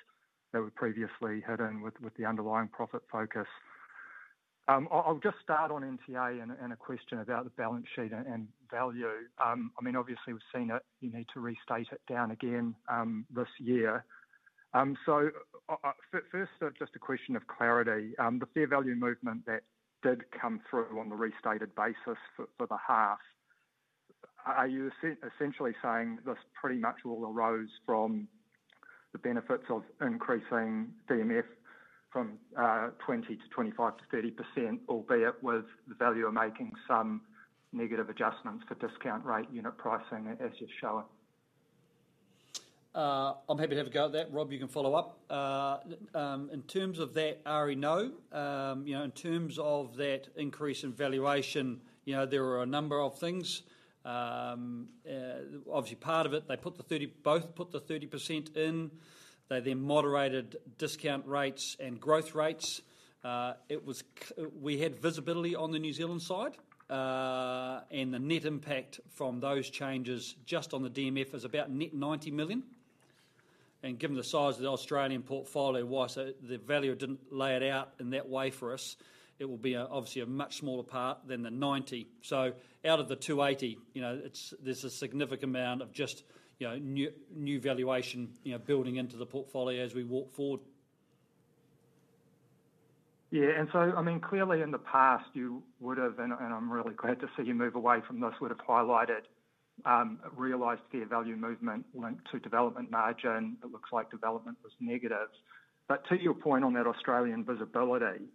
that we previously had in with the underlying profit focus. I'll just start on NTA and a question about the balance sheet and value. I mean, obviously, we've seen it. You need to restate it down again this year. So first, just a question of clarity. The fair value movement that did come through on the restated basis for the half, are you essentially saying this pretty much will arise from the benefits of increasing DMF from 20% to 25% to 30%, albeit with the value of making some negative adjustments to discount rate unit pricing as you're showing? I'm happy to have a go at that. Rob, you can follow up. In terms of that, Arie, no. In terms of that increase in valuation, there were a number of things. Obviously, part of it, they both put the 30% in. They then moderated discount rates and growth rates. We had visibility on the New Zealand side, and the net impact from those changes just on the DMF is about net 90 million. And given the size of the Australian portfolio, the value didn't lay it out in that way for us. It will be obviously a much smaller part than the 90. So out of the 280, there's a significant amount of just new valuation building into the portfolio as we walk forward. Yeah. And so, I mean, clearly in the past, you would have, and I'm really glad to see you move away from this, would have highlighted, realized fair value movement linked to development margin. It looks like development was negative. But to your point on that Australian visibility,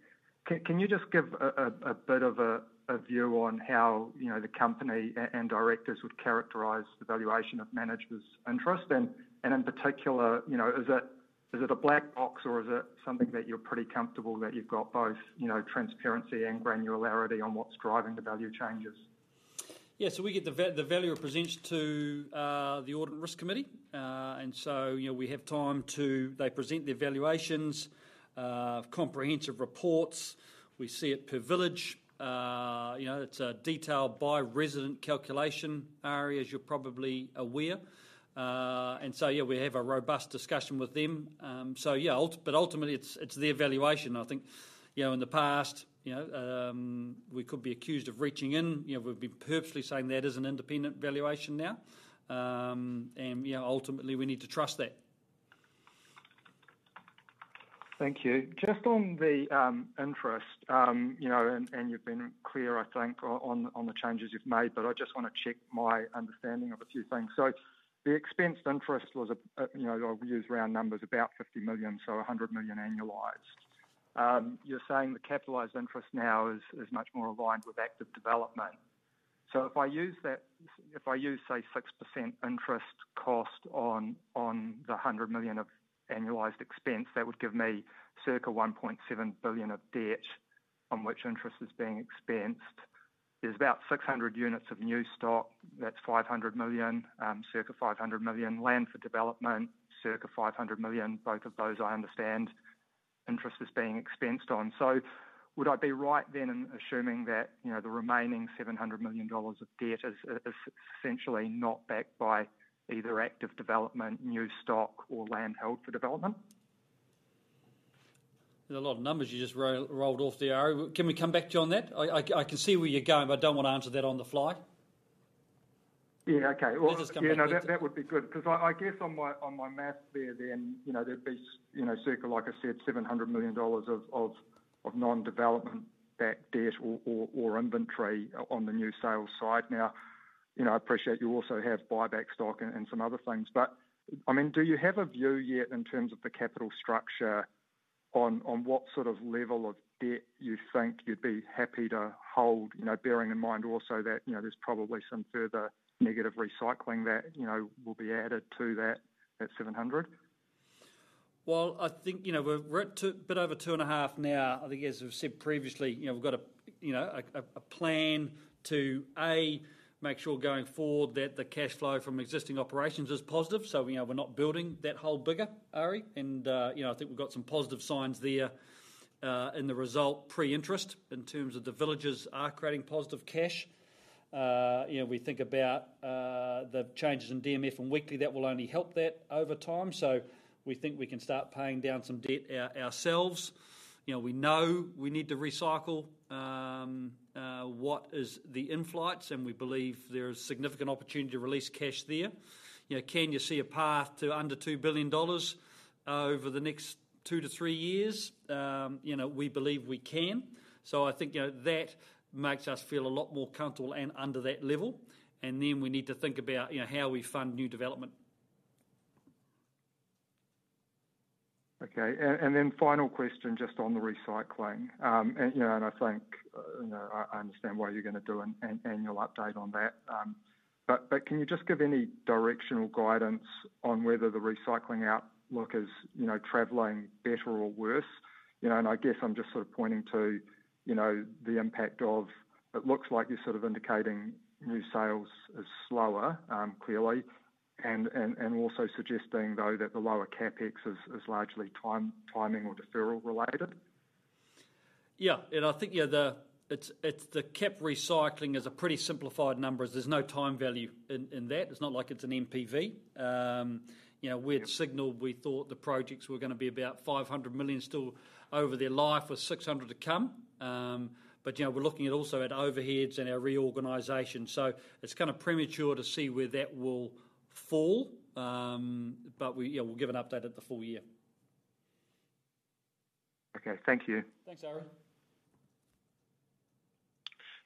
can you just give a bit of a view on how the company and directors would characterize the valuation of managers' interest? And in particular, is it a black box or is it something that you're pretty comfortable that you've got both transparency and granularity on what's driving the value changes? Yeah. So we get the value presented to the Audit and Risk Committee. And so we have time to they present their valuations, comprehensive reports. We see it per village. It's a detailed by-resident calculation, Arie, as you're probably aware. And so, yeah, we have a robust discussion with them. So, yeah, but ultimately, it's their valuation. I think in the past, we could be accused of reaching in. We've been purposely saying that is an independent valuation now. And ultimately, we need to trust that. Thank you. Just on the interest, and you've been clear, I think, on the changes you've made, but I just want to check my understanding of a few things. So the expensed interest was, I'll use round numbers, about 50 million, so 100 million annualized. You're saying the capitalized interest now is much more aligned with active development. So if I use that, if I use, say, 6% interest cost on the 100 million of annualized expense, that would give me circa 1.7 billion of debt on which interest is being expensed. There's about 600 units of new stock. That's 500 million, circa 500 million. Land for development, circa 500 million. Both of those, I understand, interest is being expensed on. So would I be right then in assuming that the remaining 700 million dollars of debt is essentially not backed by either active development, new stock, or land held for development? There's a lot of numbers you just rolled off there, Arie. Can we come back to you on that? I can see where you're going, but I don't want to answer that on the fly. Yeah. Okay. Well. That would be good because I guess on my math there then, there'd be circa, like I said, 700 million dollars of non-development debt or inventory on the new sales side. Now, I appreciate you also have buyback stock and some other things. But I mean, do you have a view yet in terms of the capital structure on what sort of level of debt you think you'd be happy to hold, bearing in mind also that there's probably some further negative recycling that will be added to that 700? Well, I think we're a bit over two and a half now. I think, as we've said previously, we've got a plan to, A, make sure going forward that the cash flow from existing operations is positive. So we're not building that hole bigger, Arie. And I think we've got some positive signs there in the result pre-interest in terms of the villages are creating positive cash. We think about the changes in DMF and weekly that will only help that over time. So we think we can start paying down some debt ourselves. We know we need to recycle what is the in-flights, and we believe there is significant opportunity to release cash there. Can you see a path to under 2 billion dollars over the next two to three years? We believe we can. So I think that makes us feel a lot more comfortable and under that level. And then we need to think about how we fund new development. Okay. And then final question just on the recycling. And I think I understand why you're going to do an annual update on that. But can you just give any directional guidance on whether the recycling outlook is traveling better or worse? And I guess I'm just sort of pointing to the impact of it. It looks like you're sort of indicating new sales is slower, clearly, and also suggesting, though, that the lower CapEx is largely timing or deferral related. Yeah. And I think it's the CapEx recycling is a pretty simplified number. There's no time value in that. It's not like it's an NPV. We had signaled we thought the projects were going to be about 500 million still over their life or 600 million to come. But we're looking also at overheads and our reorganization. So it's kind of premature to see where that will fall, but we'll give an update at the full year. Okay. Thank you. Thanks, Arie.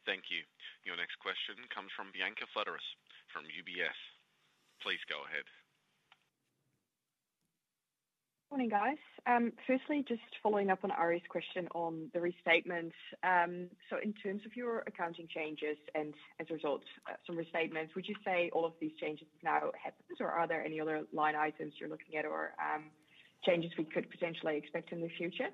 Thank you. Your next question comes from Bianca Fledderus from UBS. Please go ahead. Morning, guys. Firstly, just following up on Arie's question on the restatements. So in terms of your accounting changes and as a result, some restatements, would you say all of these changes now have happened, or are there any other line items you're looking at or changes we could potentially expect in the future?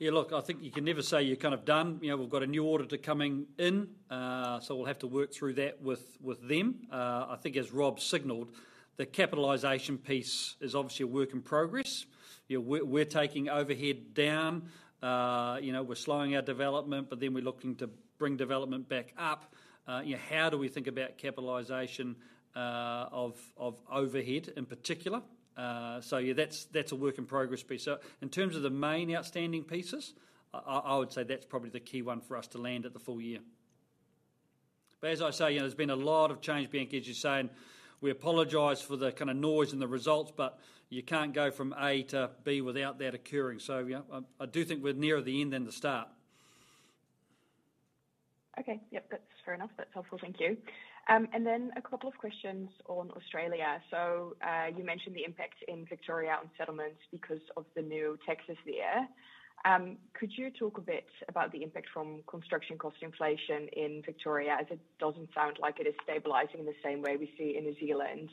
Yeah. Look, I think you can never say you're kind of done. We've got a new order coming in, so we'll have to work through that with them. I think, as Rob signaled, the capitalization piece is obviously a work in progress. We're taking overhead down. We're slowing our development, but then we're looking to bring development back up. How do we think about capitalization of overhead in particular? So yeah, that's a work in progress piece. So in terms of the main outstanding pieces, I would say that's probably the key one for us to land at the full year. But as I say, there's been a lot of change, Bianca, as you're saying. We apologize for the kind of noise in the results, but you can't go from A to B without that occurring. So I do think we're nearer the end than the start. Okay. Yep. That's fair enough. That's helpful. Thank you and then a couple of questions on Australia so you mentioned the impact in Victoria on settlements because of the new taxes there. Could you talk a bit about the impact from construction cost inflation in Victoria as it doesn't sound like it is stabilizing in the same way we see in New Zealand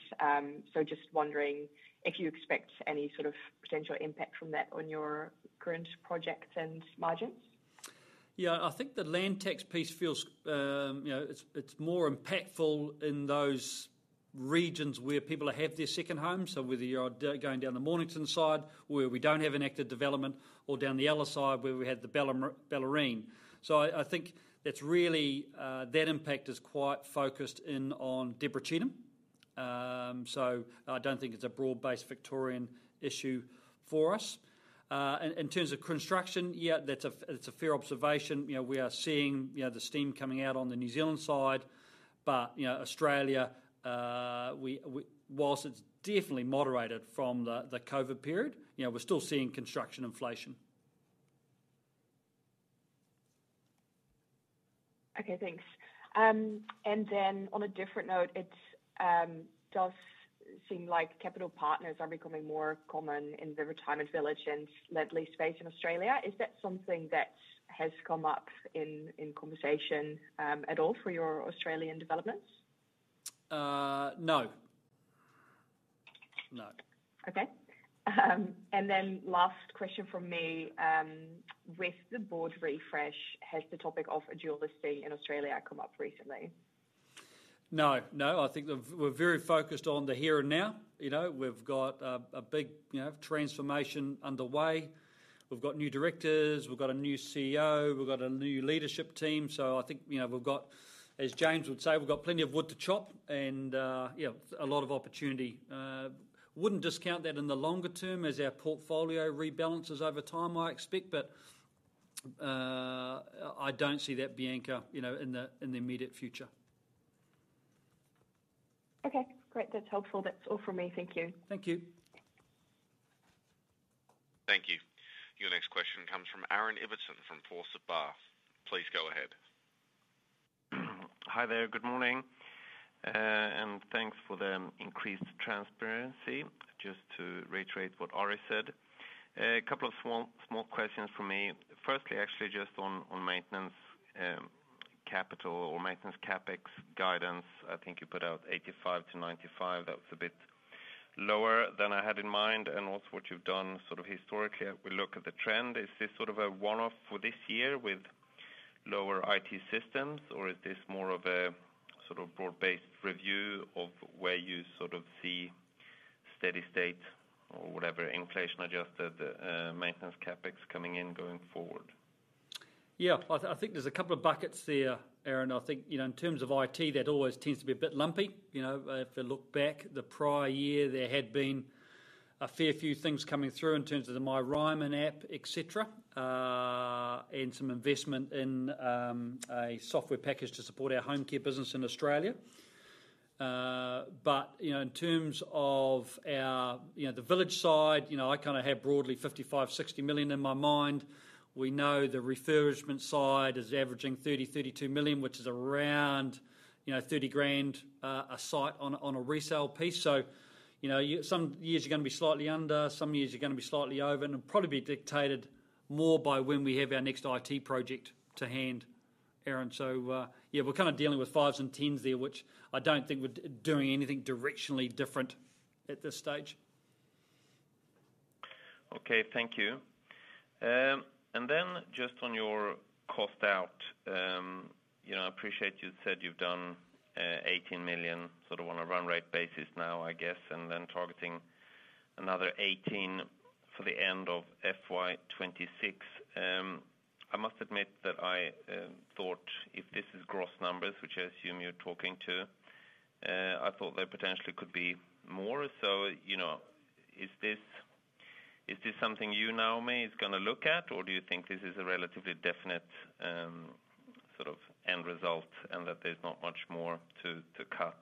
so just wondering if you expect any sort of potential impact from that on your current projects and margins? Yeah. I think the land tax piece feels it's more impactful in those regions where people have their second home. So whether you're going down the Mornington Peninsula where we don't have an active development or down the other side where we had the Bellarine. So I think that's really that impact is quite focused in on Deborah Cheetham. So I don't think it's a broad-based Victorian issue for us. In terms of construction, yeah, that's a fair observation. We are seeing the steam coming out on the New Zealand side. But Australia, whilst it's definitely moderated from the COVID period, we're still seeing construction inflation. Okay. Thanks, and then on a different note, it does seem like capital partners are becoming more common in the retirement village and land-based space in Australia. Is that something that has come up in conversation at all for your Australian developments? No. No. Okay. And then last question from me. With the board refresh, has the topic of dual listing in Australia come up recently? No. No. I think we're very focused on the here and now. We've got a big transformation underway. We've got new directors. We've got a new CEO. We've got a new leadership team. So I think we've got, as James would say, we've got plenty of wood to chop and a lot of opportunity. Wouldn't discount that in the longer term as our portfolio rebalances over time, I expect. But I don't see that, Bianca, in the immediate future. Okay. Great. That's helpful. That's all from me. Thank you. Thank you. Thank you. Your next question comes from Aaron Ibbotson from Forsyth Barr. Please go ahead. Hi there. Good morning, and thanks for the increased transparency. Just to reiterate what Arie said, a couple of small questions for me. Firstly, actually, just on maintenance capital or maintenance CapEx guidance. I think you put out 85 to 95. That was a bit lower than I had in mind, and also what you've done sort of historically, we look at the trend. Is this sort of a one-off for this year with lower IT systems, or is this more of a sort of broad-based review of where you sort of see steady state or whatever inflation-adjusted maintenance CapEx coming in going forward? Yeah. I think there's a couple of buckets there, Aaron. I think in terms of IT, that always tends to be a bit lumpy. If I look back the prior year, there had been a fair few things coming through in terms of the MyRyman app, etc., and some investment in a software package to support our home care business in Australia. But in terms of the village side, I kind of have broadly 55-60 million in my mind. We know the refurbishment side is averaging 30-32 million, which is around 30 grand a site on a resale piece. So some years you're going to be slightly under, some years you're going to be slightly over, and it'll probably be dictated more by when we have our next IT project to hand, Aaron. So yeah, we're kind of dealing with fives and tens there, which I don't think we're doing anything directionally different at this stage. Okay. Thank you. And then just on your cost out, I appreciate you said you've done 18 million sort of on a run rate basis now, I guess, and then targeting another 18 for the end of FY26. I must admit that I thought if this is gross numbers, which I assume you're talking to, I thought there potentially could be more. So is this something you know, Naomi is going to look at, or do you think this is a relatively definite sort of end result and that there's not much more to cut?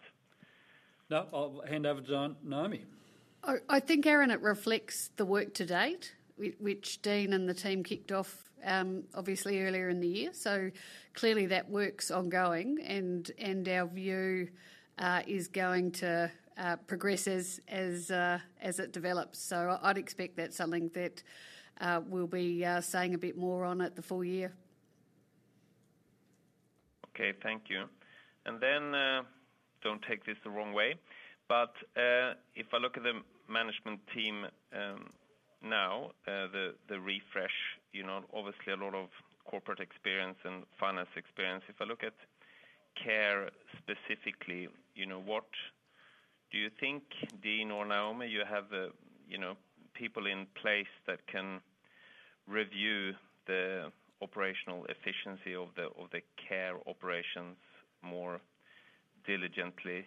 No. I'll hand over to Naomi. I think, Aaron, it reflects the work to date, which Dean and the team kicked off obviously earlier in the year. So clearly, that work's ongoing, and our view is going to progress as it develops. So I'd expect that's something that we'll be saying a bit more on at the full year. Okay. Thank you and then don't take this the wrong way, but if I look at the management team now, the refresh, obviously a lot of corporate experience and finance experience. If I look at care specifically, what do you think, Dean or Naomi, you have people in place that can review the operational efficiency of the care operations more diligently?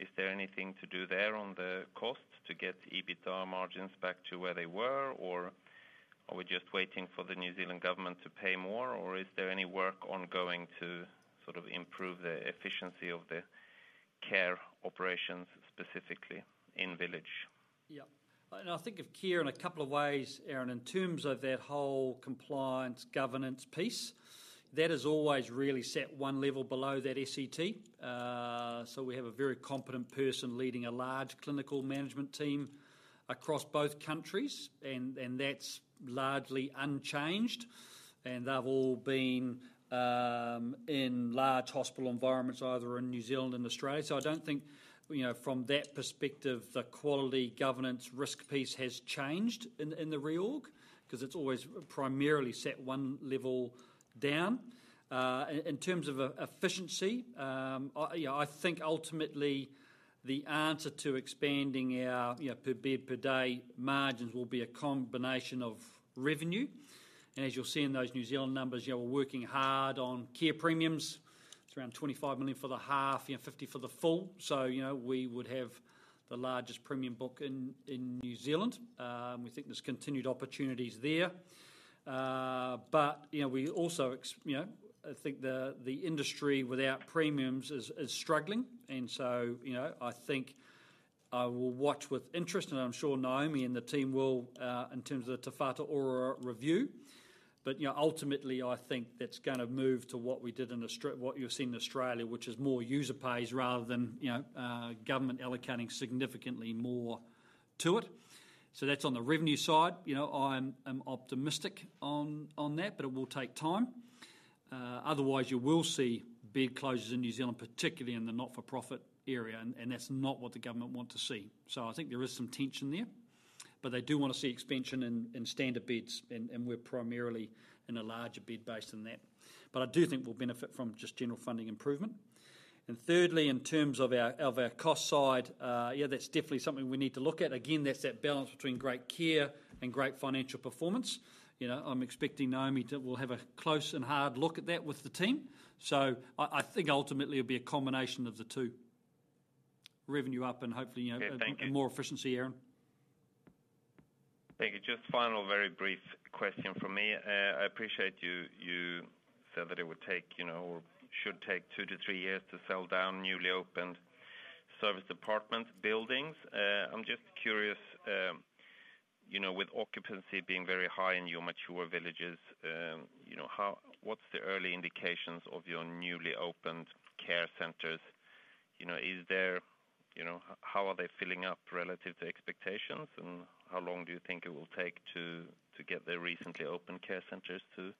Is there anything to do there on the cost to get EBITDA margins back to where they were, or are we just waiting for the New Zealand government to pay more, or is there any work ongoing to sort of improve the efficiency of the care operations specifically in village? Yeah. And I think of care in a couple of ways, Aaron. In terms of that whole compliance governance piece, that has always really sat one level below that SET. So we have a very competent person leading a large clinical management team across both countries, and that's largely unchanged. And they've all been in large hospital environments, either in New Zealand and Australia. So I don't think from that perspective, the quality governance risk piece has changed in the reorg because it's always primarily set one level down. In terms of efficiency, I think ultimately the answer to expanding our per-bed, per-day margins will be a combination of revenue. And as you'll see in those New Zealand numbers, we're working hard on care premiums. It's around 25 million for the half, 50 million for the full. So we would have the largest premium book in New Zealand. We think there's continued opportunities there. But we also, I think the industry without premiums is struggling. And so I think I will watch with interest, and I'm sure Naomi and the team will in terms of the Te Whatu Ora review. But ultimately, I think that's going to move to what we did in what you're seeing in Australia, which is more user pays rather than government allocating significantly more to it. So that's on the revenue side. I'm optimistic on that, but it will take time. Otherwise, you will see bed closures in New Zealand, particularly in the not-for-profit area, and that's not what the government wants to see. So I think there is some tension there, but they do want to see expansion in standard beds, and we're primarily in a larger bed base than that. But I do think we'll benefit from just general funding improvement. And thirdly, in terms of our cost side, yeah, that's definitely something we need to look at. Again, that's that balance between great care and great financial performance. I'm expecting Naomi to have a close and hard look at that with the team. So I think ultimately it'll be a combination of the two: revenue up and hopefully more efficiency, Aaron. Thank you. Just final, very brief question from me. I appreciate you said that it would take or should take two to three years to sell down newly opened serviced apartment buildings. I'm just curious, with occupancy being very high in your mature villages, what's the early indications of your newly opened care centers? How are they filling up relative to expectations, and how long do you think it will take to get the recently opened care centers to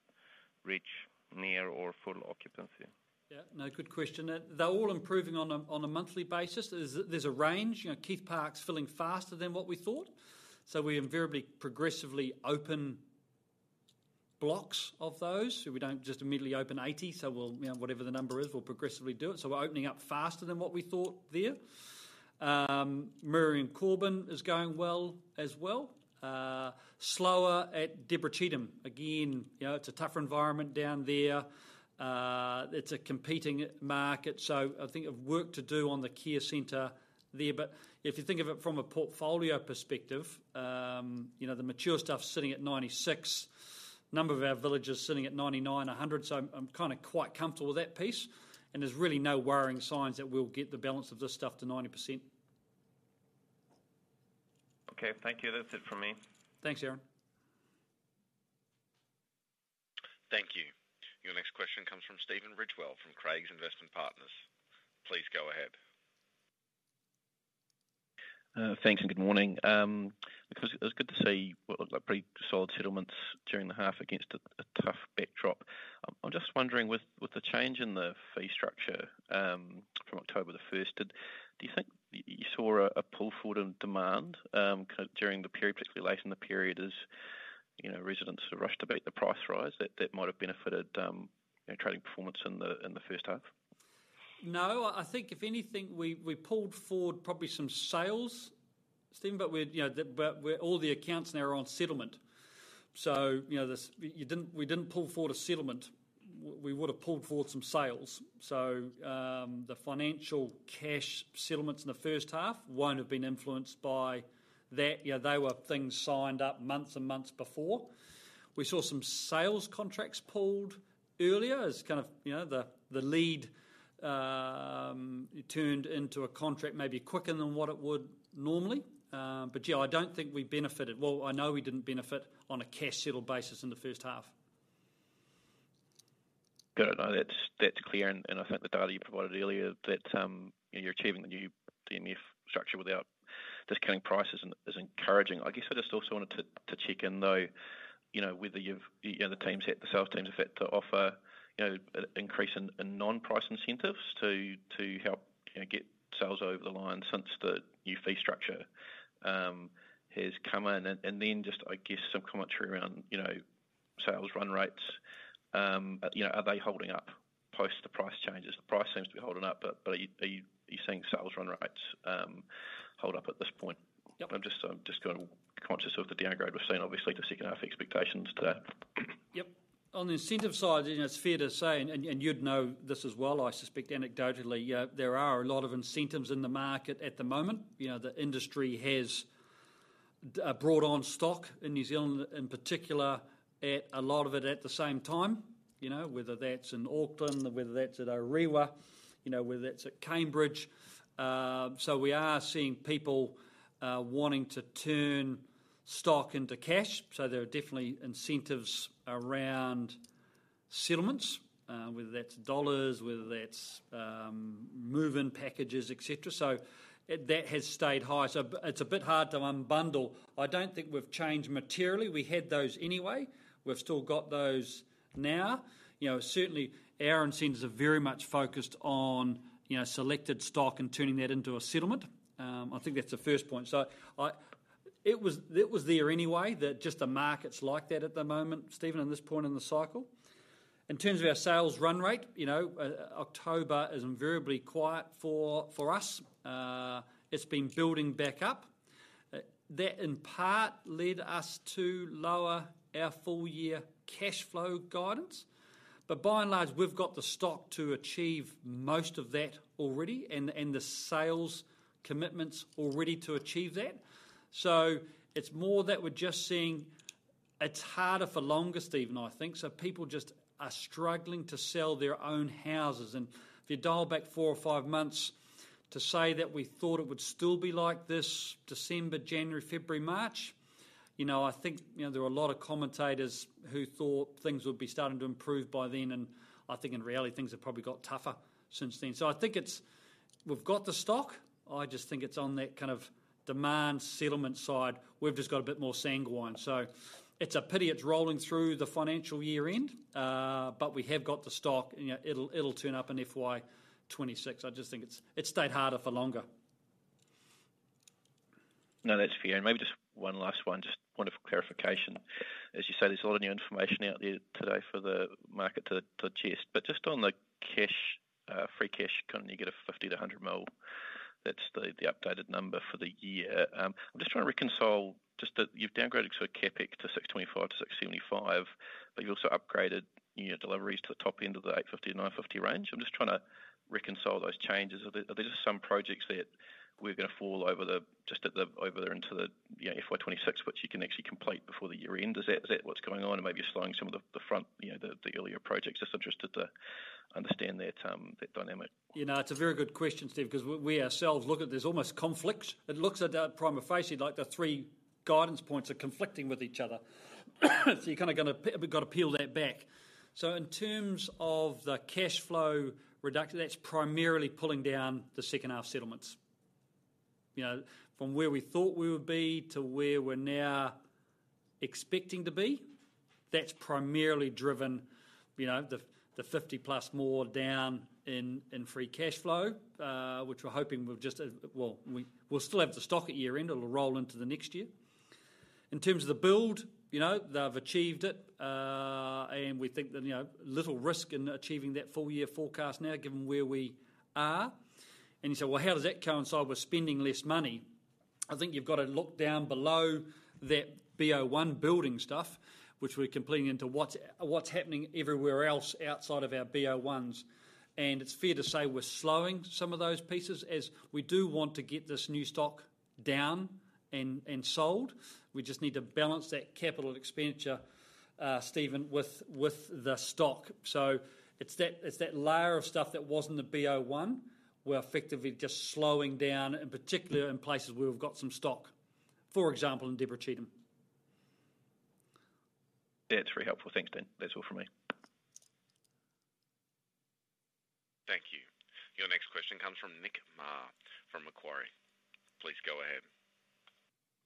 reach near or full occupancy? Yeah. No, good question. They're all improving on a monthly basis. There's a range. Keith Park's filling faster than what we thought. So we're invariably progressively open blocks of those. We don't just immediately open 80. So whatever the number is, we'll progressively do it. So we're opening up faster than what we thought there. Miriam Corban is going well as well. Slower at Deborah Cheetham. Again, it's a tougher environment down there. It's a competing market. So I think there's work to do on the care center there. But if you think of it from a portfolio perspective, the mature stuff's sitting at 96%, a number of our villages sitting at 99%, 100%. So I'm kind of quite comfortable with that piece. There's really no worrying signs that we'll get the balance of this stuff to 90%. Okay. Thank you. That's it from me. Thanks, Aaron. Thank you. Your next question comes from Stephen Ridgewell from Craigs Investment Partners. Please go ahead. Thanks and good morning. It was good to see what looked like pretty solid settlements during the half against a tough backdrop. I'm just wondering, with the change in the fee structure from October the 1st, do you think you saw a pull forward in demand during the period, particularly late in the period, as residents rushed to beat the price rise that might have benefited trading performance in the first half? No. I think if anything, we pulled forward probably some sales, Stephen, but all the accounts now are on settlement. So we didn't pull forward a settlement. We would have pulled forward some sales. So the financial cash settlements in the first half won't have been influenced by that. They were things signed up months and months before. We saw some sales contracts pulled earlier as kind of the lead turned into a contract maybe quicker than what it would normally. But yeah, I don't think we benefited. Well, I know we didn't benefit on a cash settlement basis in the first half. Good. That's clear. And I think the data you provided earlier, that you're achieving the new DMF structure without discounting prices is encouraging. I guess I just also wanted to check in though whether the sales teams have had to offer an increase in non-price incentives to help get sales over the line since the new fee structure has come in. And then just, I guess, some commentary around sales run rates. Are they holding up post the price changes? The price seems to be holding up, but are you seeing sales run rates hold up at this point? I'm just kind of conscious of the downgrade we've seen, obviously, to second half expectations today. Yep. On the incentive side, it's fair to say, and you'd know this as well, I suspect anecdotally, there are a lot of incentives in the market at the moment. The industry has brought on stock in New Zealand, in particular, at a lot of it at the same time, whether that's in Auckland, whether that's at Orewa, whether that's at Cambridge. So we are seeing people wanting to turn stock into cash. So there are definitely incentives around settlements, whether that's dollars, whether that's move-in packages, etc. So that has stayed high. So it's a bit hard to unbundle. I don't think we've changed materially. We had those anyway. We've still got those now. Certainly, our incentives are very much focused on selected stock and turning that into a settlement. I think that's the first point. So it was there anyway, that just the market's like that at the moment, Stephen, at this point in the cycle. In terms of our sales run rate, October is invariably quiet for us. It's been building back up. That in part led us to lower our full-year cash flow guidance. But by and large, we've got the stock to achieve most of that already and the sales commitments already to achieve that. So it's more that we're just seeing it's harder for longer, Stephen, I think. So people just are struggling to sell their own houses. And if you dial back four or five months to say that we thought it would still be like this December, January, February, March, I think there were a lot of commentators who thought things would be starting to improve by then. And I think in reality, things have probably got tougher since then. So I think we've got the stock. I just think it's on that kind of demand settlement side. We've just got a bit more sanguine. So it's a pity it's rolling through the financial year end, but we have got the stock. It'll turn up in FY26. I just think it's stayed harder for longer. No, that's fair. And maybe just one last one, just wanted clarification. As you say, there's a lot of new information out there today for the market to adjust. But just on the free cash, can you get a 50 million-100 million? That's the updated number for the year. I'm just trying to reconcile just that you've downgraded sort of CapEx to 625 million-675 million, but you've also upgraded your deliveries to the top end of the 850 million-950 million range. I'm just trying to reconcile those changes. Are there just some projects that we're going to fall over just over there into the FY26, which you can actually complete before the year end? Is that what's going on? And maybe you're slowing some of the front, the earlier projects. Just interested to understand that dynamic. Yeah. No, it's a very good question, Stephen, because we ourselves look at there's almost conflicts. It looks at that prima facie like the three guidance points are conflicting with each other, so you're kind of going to have got to peel that back, so in terms of the cash flow reduction, that's primarily pulling down the second half settlements from where we thought we would be to where we're now expecting to be. That's primarily driven the 50 plus more down in free cash flow, which we're hoping we'll just, well, we'll still have the stock at year end. It'll roll into the next year. In terms of the build, they've achieved it, and we think there's little risk in achieving that full-year forecast now, given where we are. You say, "Well, how does that coincide with spending less money?" I think you've got to look down below that B01 building stuff, which we're completing into what's happening everywhere else outside of our B01s. It's fair to say we're slowing some of those pieces as we do want to get this new stock down and sold. We just need to balance that capital expenditure, Stephen, with the stock. So it's that layer of stuff that was in the B01. We're effectively just slowing down, in particular in places where we've got some stock, for example, in Deborah Cheetham. That's very helpful. Thanks, Ben. That's all from me. Thank you. Your next question comes from Nick Mar from Macquarie. Please go ahead.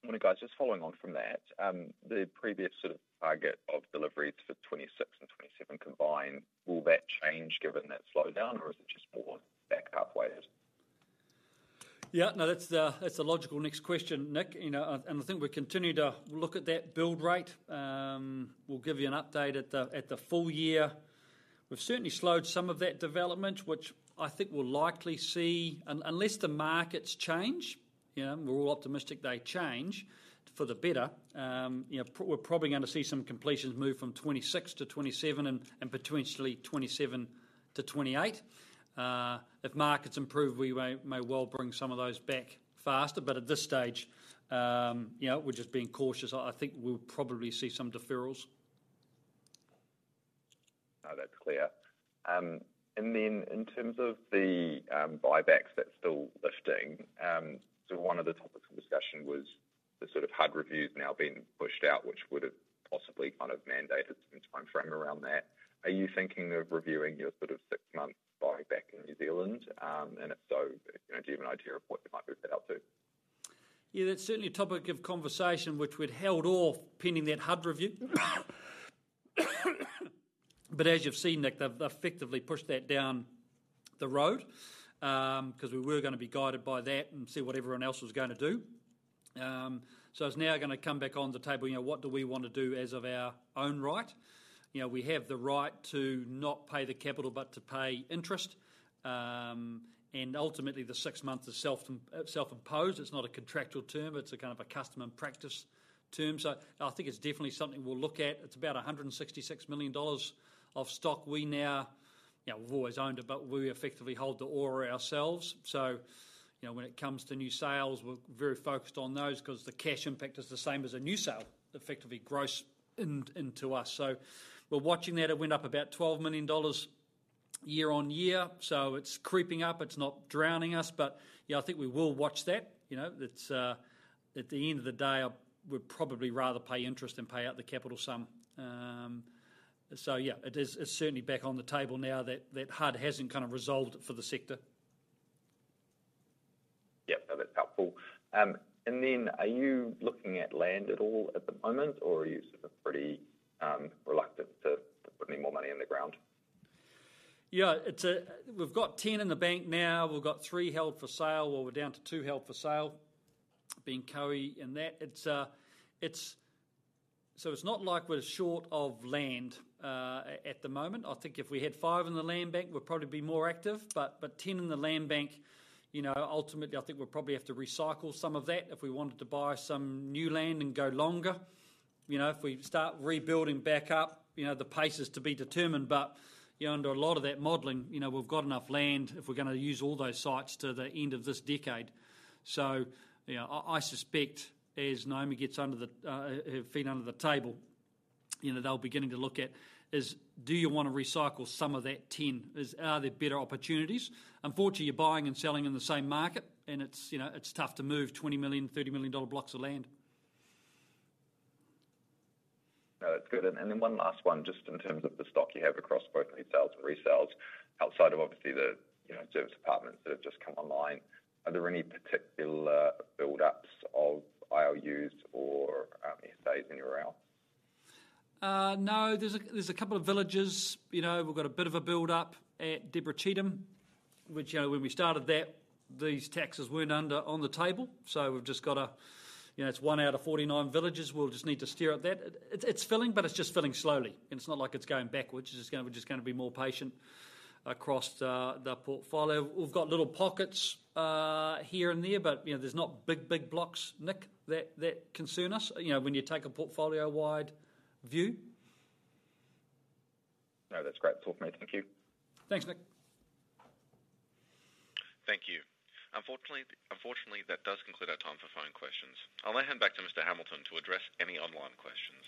When it goes just following on from that, the previous sort of target of deliveries for 2026 and 2027 combined, will that change given that slowdown, or is it just more backed up ways? Yeah. No, that's a logical next question, Nick. And I think we continue to look at that build rate. We'll give you an update at the full year. We've certainly slowed some of that development, which I think we'll likely see unless the markets change. We're all optimistic they change for the better. We're probably going to see some completions move from 2026 to 2027 and potentially 2027 to 2028. If markets improve, we may well bring some of those back faster. But at this stage, we're just being cautious. I think we'll probably see some deferrals. No, that's clear. And then in terms of the buybacks that's still lifting, one of the topics of discussion was the sort of HUD reviews now being pushed out, which would have possibly kind of mandated some time frame around that. Are you thinking of reviewing your sort of six-month buyback in New Zealand? And if so, do you have an idea of what you might be set out to? Yeah. That's certainly a topic of conversation, which we'd held off pending that HNZ review. But as you've seen, Nick, they've effectively pushed that down the road because we were going to be guided by that and see what everyone else was going to do. So it's now going to come back on the table, what do we want to do in our own right? We have the right to not pay the capital, but to pay interest. And ultimately, the six months is self-imposed. It's not a contractual term. It's a kind of a custom and practice term. So I think it's definitely something we'll look at. It's about 166 million dollars of stock we now. We've always owned it, but we effectively hold the ORA ourselves. So when it comes to new sales, we're very focused on those because the cash impact is the same as a new sale, effectively gross into us. So we're watching that. It went up about 12 million dollars year on year. So it's creeping up. It's not drowning us. But yeah, I think we will watch that. At the end of the day, we'd probably rather pay interest than pay out the capital sum. So yeah, it's certainly back on the table now that HUD hasn't kind of resolved it for the sector. Yep. No, that's helpful. And then are you looking at land at all at the moment, or are you sort of pretty reluctant to put any more money in the ground? Yeah. We've got 10 in the bank now. We've got three held for sale. We're down to two held for sale, being Kohimarama and that. It's not like we're short of land at the moment. I think if we had five in the land bank, we'd probably be more active. 10 in the land bank, ultimately, I think we'll probably have to recycle some of that if we wanted to buy some new land and go longer. If we start rebuilding back up, the pace is to be determined. Under a lot of that modeling, we've got enough land if we're going to use all those sites to the end of this decade. I suspect as Naomi gets her feet under the table, they'll be beginning to look at, "Do you want to recycle some of that 10? Are there better opportunities?" Unfortunately, you're buying and selling in the same market, and it's tough to move 20 million, 30 million dollar blocks of land. No, that's good. And then one last one, just in terms of the stock you have across both resales and resales outside of obviously the serviced apartments that have just come online, are there any particular build-ups of ILUs or SAs anywhere else? No. There's a couple of villages. We've got a bit of a build-up at Deborah Cheetham, which when we started that, these taxes weren't on the table. So we've just got—it's one out of 49 villages. We'll just need to bear with that. It's filling, but it's just filling slowly, and it's not like it's going backwards. We're just going to be more patient across the portfolio. We've got little pockets here and there, but there's not big, big blocks, Nick, that concern us when you take a portfolio-wide view. No, that's great. It's all from me. Thank you. Thanks, Nick. Thank you. Unfortunately, that does conclude our time for phone questions. I'll now hand back to Mr. Hamilton to address any online questions.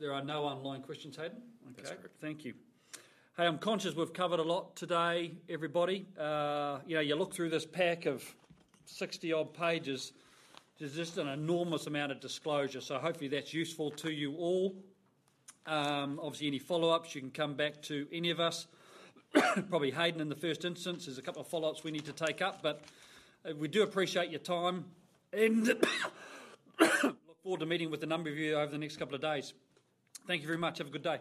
There are no online questions, Hayden. Okay. That's great. Thank you. Hey, I'm conscious we've covered a lot today, everybody. You look through this pack of 60-odd pages, there's just an enormous amount of disclosure. So hopefully, that's useful to you all. Obviously, any follow-ups, you can come back to any of us. Probably Hayden in the first instance. There's a couple of follow-ups we need to take up. But we do appreciate your time and look forward to meeting with a number of you over the next couple of days. Thank you very much. Have a good day.